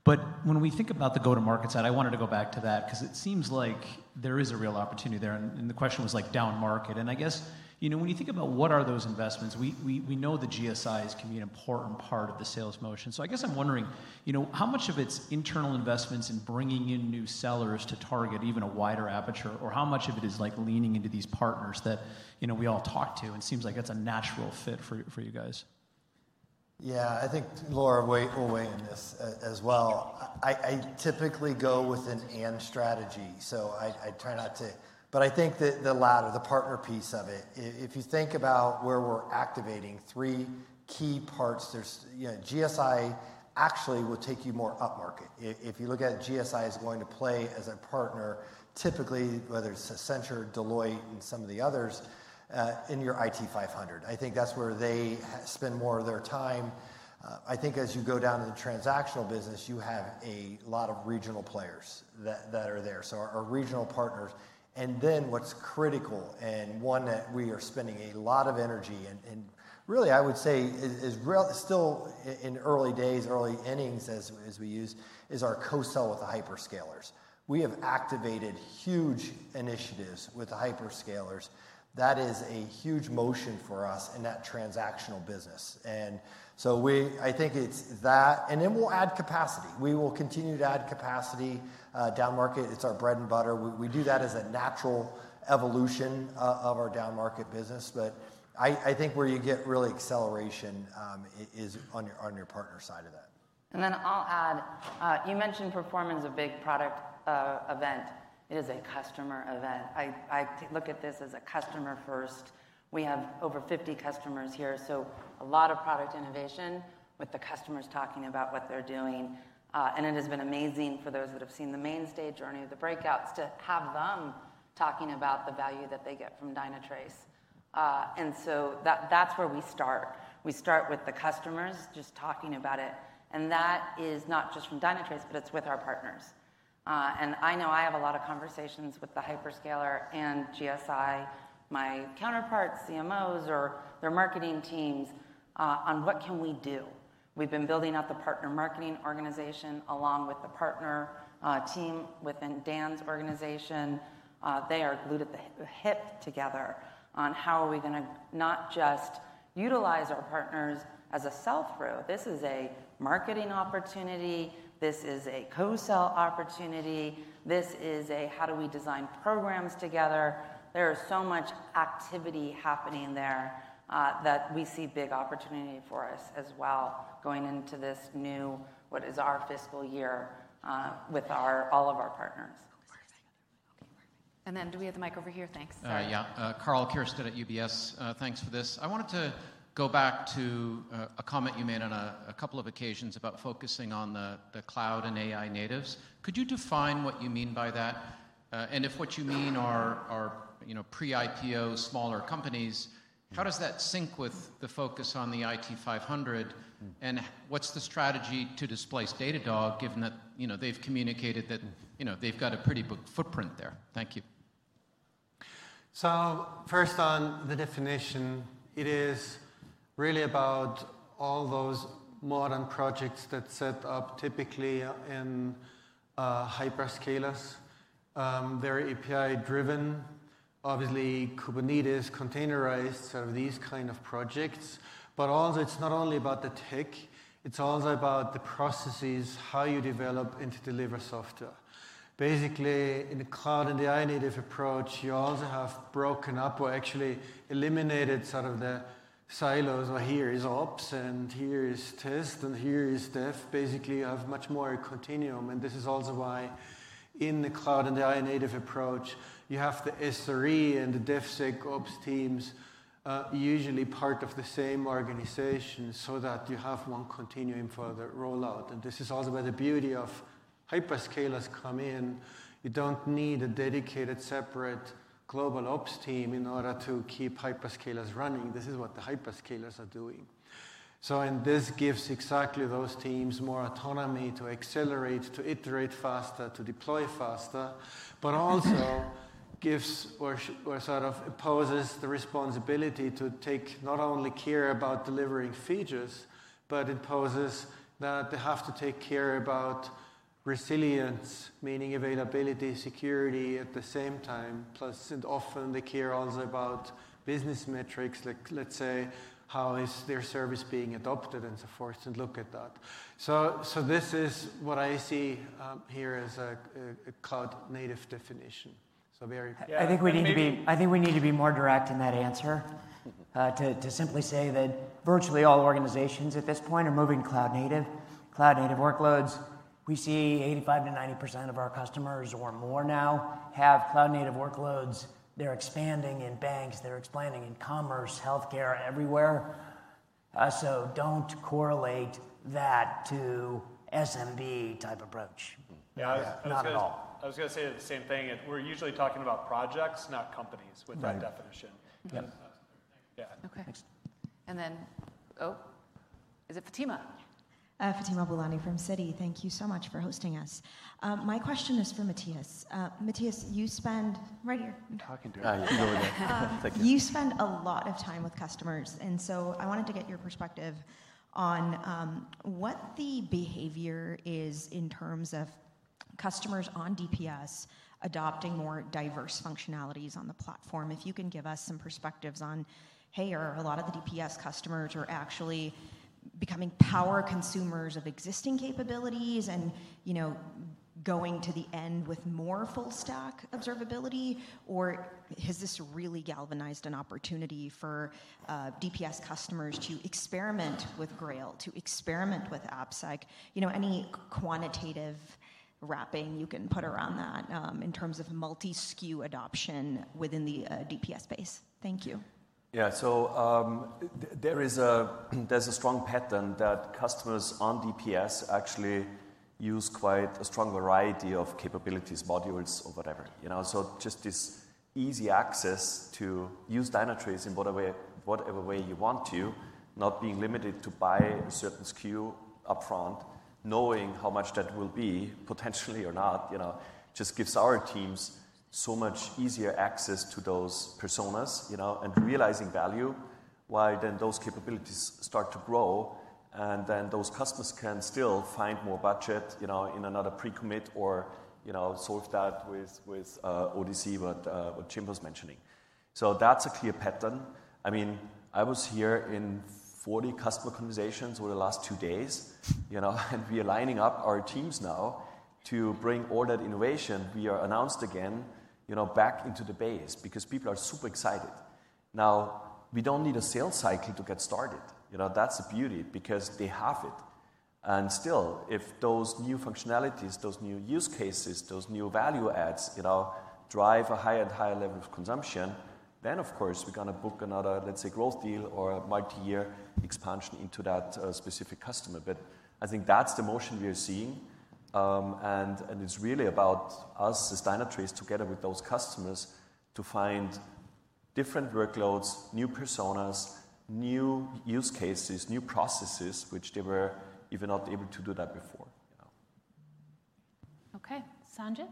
But when we think about the go-to-market side, I wanted to go back to that because it seems like there is a real opportunity there. And the question was like down market. And I guess when you think about what are those investments, we know the GSIs can be an important part of the sales motion. So, I guess I'm wondering how much of its internal investments in bringing in new sellers to target even a wider aperture, or how much of it is like leaning into these partners that we all talk to and seems like it's a natural fit for you guys? Yeah. I think Laura will weigh in on this as well. I typically go with an and strategy. So, I try not to, but I think that the latter, the partner piece of it. If you think about where we're activating three key parts, GSI actually will take you more up market. If you look at GSIs going to play as a partner, typically, whether it's Accenture, Deloitte, and some of the others in your IT 500, I think that's where they spend more of their time. I think as you go down to the transactional business, you have a lot of regional players that are there, so our regional partners. And then what's critical, and one that we are spending a lot of energy, and really, I would say is still in early days, early innings as we use, is our co-sell with the hyperscalers. We have activated huge initiatives with the hyperscalers. That is a huge motion for us in that transactional business. And so, I think it's that. And then we'll add capacity. We will continue to add capacity down market. It's our bread and butter. We do that as a natural evolution of our down-market business. But I think where you get really acceleration is on your partner side of that. And then I'll add, you mentioned Perform, our big product event. It is a customer event. I look at this as a customer first. We have over 50 customers here. So, a lot of product innovation with the customers talking about what they're doing. And it has been amazing for those that have seen the main stage journey of the breakouts to have them talking about the value that they get from Dynatrace. And so that's where we start. We start with the customers just talking about it. And that is not just from Dynatrace, but it's with our partners. And I know I have a lot of conversations with the hyperscaler and GSI, my counterparts, CMOs, or their marketing teams on what can we do. We've been building out the partner marketing organization along with the partner team within Dan's organization. They are glued at the hip together on how we are going to not just utilize our partners as a sell-through. This is a marketing opportunity. This is a co-sell opportunity. This is a how do we design programs together. There is so much activity happening there that we see big opportunity for us as well going into this new, what is our fiscal year, with all of our partners. And then do we have the mic over here? Thanks. Yeah. Karl Keirstead at UBS. Thanks for this. I wanted to go back to a comment you made on a couple of occasions about focusing on the cloud and AI-natives. Could you define what you mean by that? And if what you mean are pre-IPO smaller companies, how does that sync with the focus on the IT 500? And what's the strategy to displace Datadog, given that they've communicated that they've got a pretty big footprint there? Thank you. So, first on the definition, it is really about all those modern projects that set up typically in hyperscalers. They're API-driven, obviously Kubernetes, containerized, sort of these kind of projects. But also, it's not only about the tech. It's also about the processes, how you develop and to deliver software. Basically, in the cloud and the AI-native approach, you also have broken up or actually eliminated sort of the silos. Here is ops, and here is test, and here is dev. Basically, you have much more continuum. And this is also why in the cloud and the AI-native approach, you have the SRE and the DevSecOps teams usually part of the same organization so that you have one continuum for the rollout. And this is also where the beauty of hyperscalers come in. You don't need a dedicated separate global ops team in order to keep hyperscalers running. This is what the hyperscalers are doing. So, this gives exactly those teams more autonomy to accelerate, to iterate faster, to deploy faster, but also gives or sort of imposes the responsibility to take not only care about delivering features, but it poses that they have to take care about resilience, meaning availability, security at the same time. Plus, often they care also about business metrics, like let's say how is their service being adopted and so forth and look at that. So, this is what I see here as a cloud-native definition. So, very important. I think we need to be more direct in that answer. To simply say that virtually all organizations at this point are moving cloud-native. Cloud-native workloads, we see 85%-90% of our customers or more now have cloud-native workloads. They're expanding in banks. They're expanding in commerce, healthcare, everywhere. So, don't correlate that to SMB type approach. I was going to say the same thing. We're usually talking about projects, not companies with that definition. Yeah. Okay. And then, oh, is it Fatima? Fatima Boolani from Citi. Thank you so much for hosting us. My question is for Matthias. Matthias, you spend... I'm talking to her. You spend a lot of time with customers. And so I wanted to get your perspective on what the behavior is in terms of customers on DPS adopting more diverse functionalities on the platform. If you can give us some perspectives on, "hey, are a lot of the DPS customers actually becoming power consumers of existing capabilities and going to the end with more full-stack observability?" Or has this really galvanized an opportunity for DPS customers to experiment with Grail, to experiment with AppSec? Any quantitative wrapping you can put around that in terms of multi-SKU adoption within the DPS space? Thank you. Yeah. So, there's a strong pattern that customers on DPS actually use quite a strong variety of capabilities, modules, or whatever. So, just this easy access to use Dynatrace in whatever way you want to, not being limited to buy a certain SKU upfront, knowing how much that will be potentially or not, just gives our teams so much easier access to those personas and realizing value while then those capabilities start to grow. And then those customers can still find more budget in another pre-commit or sort that with ODC, what Jim was mentioning. So, that's a clear pattern. I mean, I was here in 40 customer conversations over the last two days. And we are lining up our teams now to bring all that innovation. We are announced again back into the base because people are super excited. Now, we don't need a sales cycle to get started. That's the beauty because they have it and still, if those new functionalities, those new use cases, those new value adds drive a higher and higher level of consumption, then of course, we're going to book another, let's say, growth deal or multi-year expansion into that specific customer. But I think that's the motion we are seeing and it's really about us as Dynatrace together with those customers to find different workloads, new personas, new use cases, new processes, which they were even not able to do that before. Okay. Sanjit?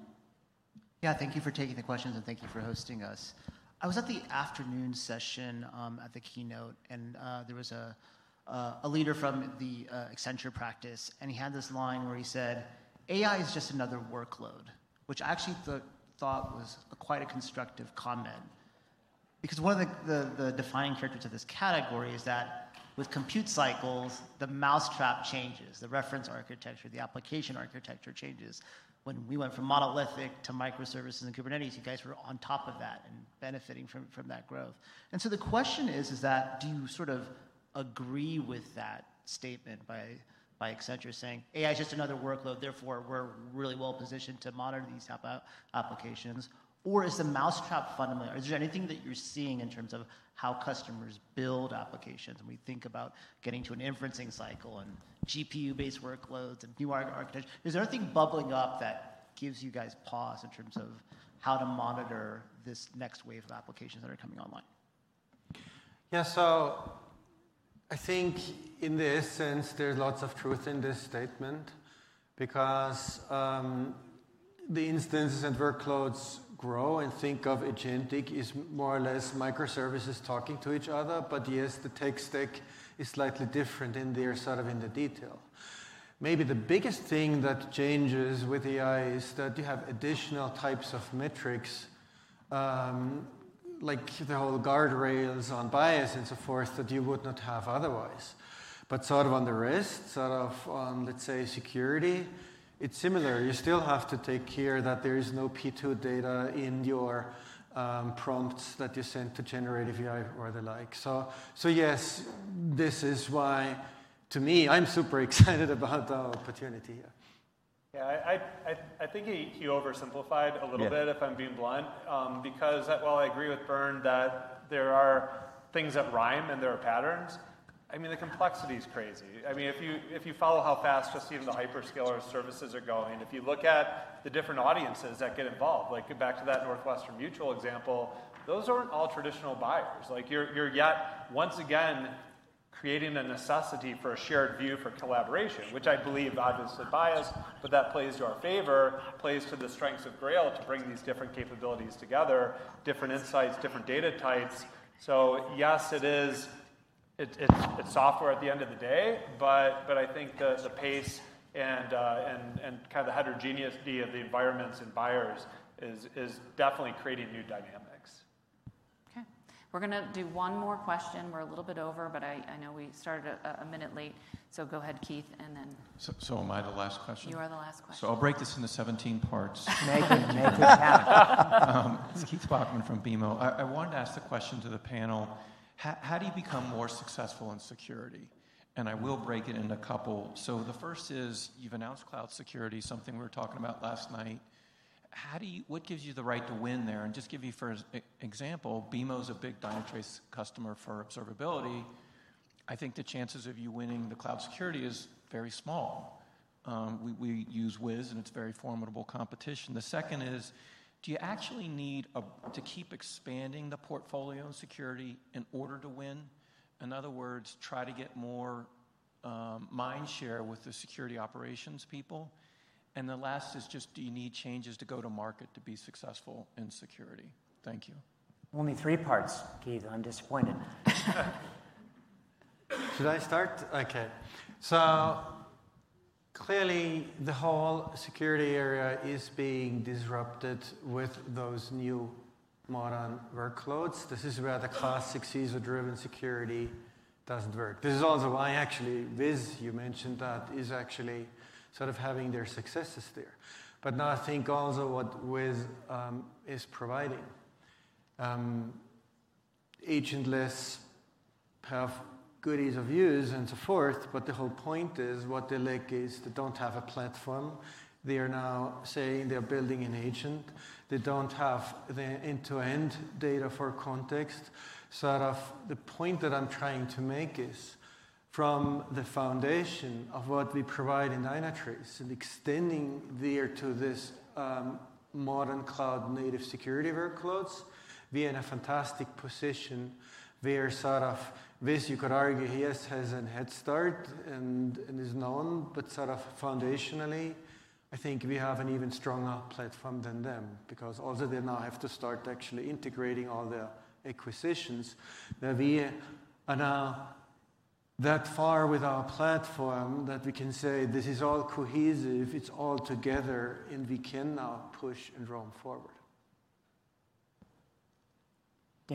Yeah. Thank you for taking the questions and thank you for hosting us. I was at the afternoon session at the keynote, and there was a leader from the Accenture practice, and he had this line where he said, "AI is just another workload," which I actually thought was quite a constructive comment. Because one of the defining characteristic of this category is that with compute cycles, the mousetrap changes, the reference architecture, the application architecture changes. When we went from monolithic to microservices and Kubernetes, you guys were on top of that and benefiting from that growth. And so, the question is, do you sort of agree with that statement by Accenture saying, "AI is just another workload, therefore we're really well positioned to monitor these applications"? Or is the mousetrap fundamentally? Is there anything that you're seeing in terms of how customers build applications? We think about getting to an inferencing cycle and GPU-based workloads and new architecture. Is there anything bubbling up that gives you guys pause in terms of how to monitor this next wave of applications that are coming online? Yeah. So, I think in the essence, there's lots of truth in this statement because the instances and workloads grow and think of agentic is more or less microservices talking to each other. But yes, the tech stack is slightly different in their sort of in the detail. Maybe the biggest thing that changes with AI is that you have additional types of metrics, like the whole guardrails on bias and so forth that you would not have otherwise. But sort of on the rest, sort of on, let's say, security, it's similar. You still have to take care that there is no PII data in your prompts that you send to generative AI or the like. So yes, this is why, to me, I'm super excited about our opportunity here. Yeah. I think you oversimplified a little bit, if I'm being blunt, because while I agree with Bernd that there are things that rhyme and there are patterns, I mean, the complexity is crazy. I mean, if you follow how fast just even the hyperscaler services are going, if you look at the different audiences that get involved, like back to that Northwestern Mutual example, those aren't all traditional buyers. You're yet once again creating a necessity for a shared view for collaboration, which I believe obviously biased, but that plays to our favor, plays to the strengths of Grail to bring these different capabilities together, different insights, different data types. So yes, it is software at the end of the day, but I think the pace and kind of the heterogeneity of the environments and buyers is definitely creating new dynamics. Okay. We're going to do one more question. We're a little bit over, but I know we started a minute late. So go ahead, Keith, and then. So am I the last question? You are the last question. So I'll break this into 17 parts. Make it happen. It's Keith Bachman from BMO. I wanted to ask the question to the panel. How do you become more successful in security? And I will break it into a couple. So, the first is you've announced cloud security, something we were talking about last night. What gives you the right to win there? And just to give you an example, BMO is a big Dynatrace customer for observability. I think the chances of you winning the cloud security is very small. We use Wiz, and it's very formidable competition. The second is, do you actually need to keep expanding the portfolio in security in order to win? In other words, try to get more mind share with the security operations people? And the last is just, do you need changes to go-to-market to be successful in security? Thank you. Only three parts, Keith. I'm disappointed. Should I start? Okay. So clearly, the whole security area is being disrupted with those new modern workloads. This is where the classic CISO-driven security doesn't work. This is also why actually Wiz, you mentioned that is actually sort of having their successes there. But now I think also what Wiz is providing. Agentless has good ease of use and so forth, but the whole point is what they lack is, they don't have a platform. They are now saying they're building an agent. They don't have the end-to-end data for context. Sort of, the point that I'm trying to make is from the foundation of what we provide in Dynatrace and extending there to this modern cloud-native security workloads, we are in a fantastic position. They are sort of Wiz. You could argue he has a head start and is known, but sort of foundationally, I think we have an even stronger platform than them because also they now have to start actually integrating all the acquisitions. Now we are that far with our platform that we can say this is all cohesive, it's all together, and we can now push and roam forward.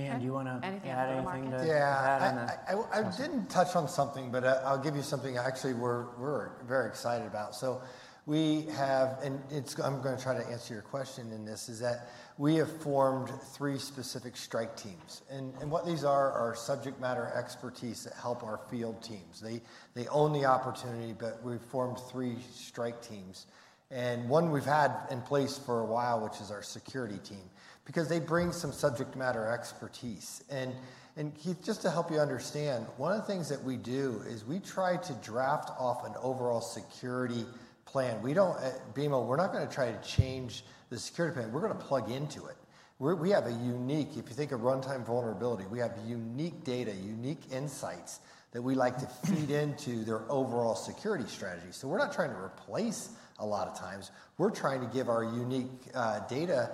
Dan, do you want to add anything to that? Yeah. I didn't touch on something, but I'll give you something actually we're very excited about. So, we have, and I'm going to try to answer your question in this, is that we have formed three specific strike teams. And what these are is subject matter expertise that help our field teams. They own the opportunity, but we've formed three strike teams. And one we've had in place for a while, which is our security team, because they bring some subject matter expertise. And Keith, just to help you understand, one of the things that we do is we try to draft off an overall security plan. BMO, we're not going to try to change the security plan. We're going to plug into it. We have a unique, if you think of runtime vulnerability, we have unique data, unique insights that we like to feed into their overall security strategy. So, we're not trying to replace a lot of times. We're trying to give our unique data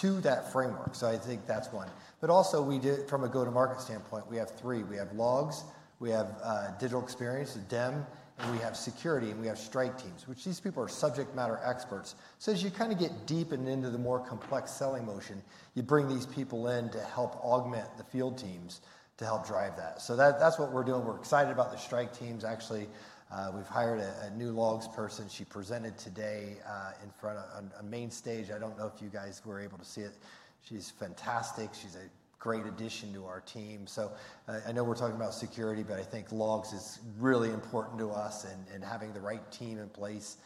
to that framework. So, I think that's one. But also, from a go-to-market standpoint, we have three. We have logs, we have digital experience, DEM, and we have security, and we have strike teams, which these people are subject matter experts. So, as you kind of get deep and into the more complex selling motion, you bring these people in to help augment the field teams to help drive that. So, that's what we're doing. We're excited about the strike teams. Actually, we've hired a new logs person. She presented today in front of a main stage. I don't know if you guys were able to see it. She's fantastic. She's a great addition to our team. So, I know we're talking about security, but I think logs is really important to us, and having the right team in place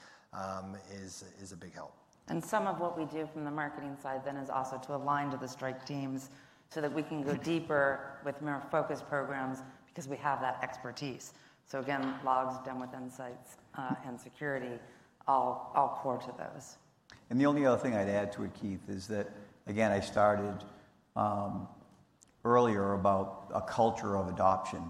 is a big help. And some of what we do from the marketing side then is also to align to the strike teams so that we can go deeper with more focused programs because we have that expertise. So again, logs demo with insights and security, all core to those. And the only other thing I'd add to it, Keith, is that, again, I started earlier about a culture of adoption.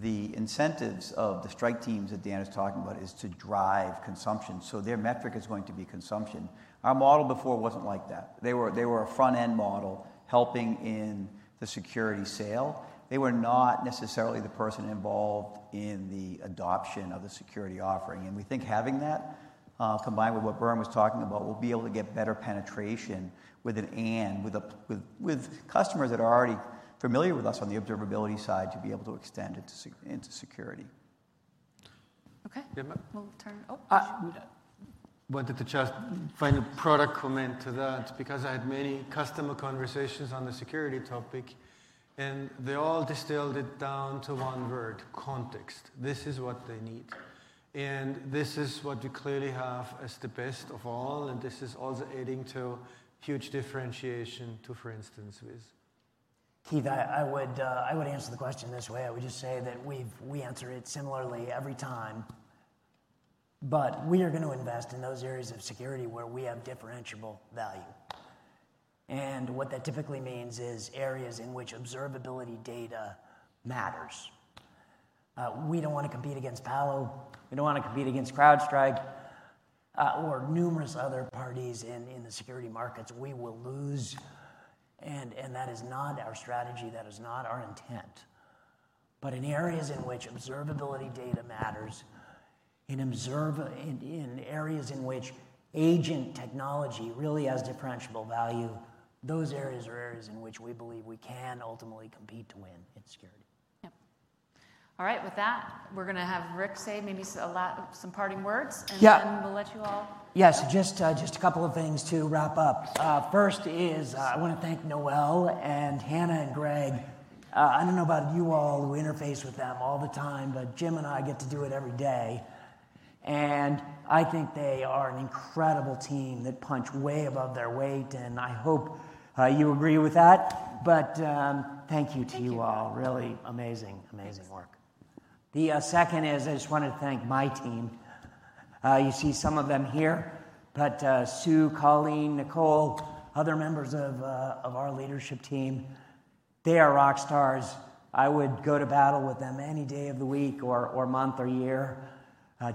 The incentives of the strike teams that Dan is talking about is to drive consumption. So, their metric is going to be consumption. Our model before wasn't like that. They were a front-end model helping in the security sale. They were not necessarily the person involved in the adoption of the security offering. And we think having that combined with what Bernd was talking about, we'll be able to get better penetration with an end with customers that are already familiar with us on the observability side to be able to extend into security. Okay. Yeah. We'll turn. Oh. Wanted to just find a product comment to that because I had many customer conversations on the security topic, and they all distilled it down to one word, context. This is what they need. And this is what we clearly have as the best of all, and this is also adding to huge differentiation to, for instance, Wiz. Keith, I would answer the question this way. I would just say that we answer it similarly every time. But we are going to invest in those areas of security where we have differentiable value. And what that typically means is areas in which observability data matters. We don't want to compete against Palo. We don't want to compete against CrowdStrike or numerous other parties in the security markets. We will lose. And that is not our strategy. That is not our intent. But in areas in which observability data matters, in areas in which agent technology really has differentiable value, those areas are areas in which we believe we can ultimately compete to win in security. Yep. All right. With that, we're going to have Rick say maybe some parting words, and then we'll let you all. Yes. Just a couple of things to wrap up. First is I want to thank Noelle and Hannah and Greg. I don't know about you all who interface with them all the time, but Jim and I get to do it every day. And I think they are an incredible team that punch way above their weight, and I hope you agree with that. But thank you to you all. Really amazing, amazing work. The second is I just wanted to thank my team. You see some of them here, but Sue, Colleen, Nicole, other members of our leadership team, they are rock stars. I would go to battle with them any day of the week or month or year.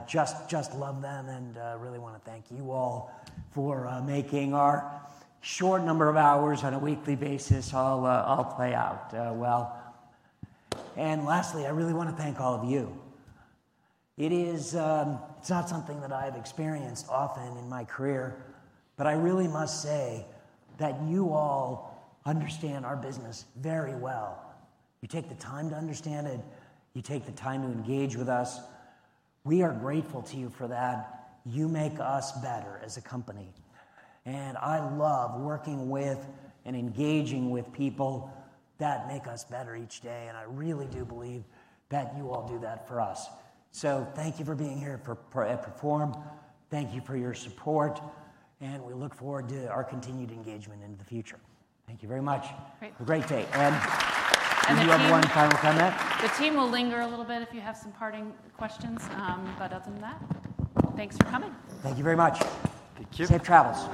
Just love them and really want to thank you all for making our short number of hours on a weekly basis all play out well. Lastly, I really want to thank all of you. It's not something that I've experienced often in my career, but I really must say that you all understand our business very well. You take the time to understand it. You take the time to engage with us. We are grateful to you for that. You make us better as a company. And I love working with and engaging with people that make us better each day. And I really do believe that you all do that for us. So, thank you for being here for Perform. Thank you for your support. And we look forward to our continued engagement in the future. Thank you very much. Great. Have a great day, and do you have one final comment? The team will linger a little bit if you have some parting questions. But other than that, thanks for coming. Thank you very much. Thank you. Safe travels.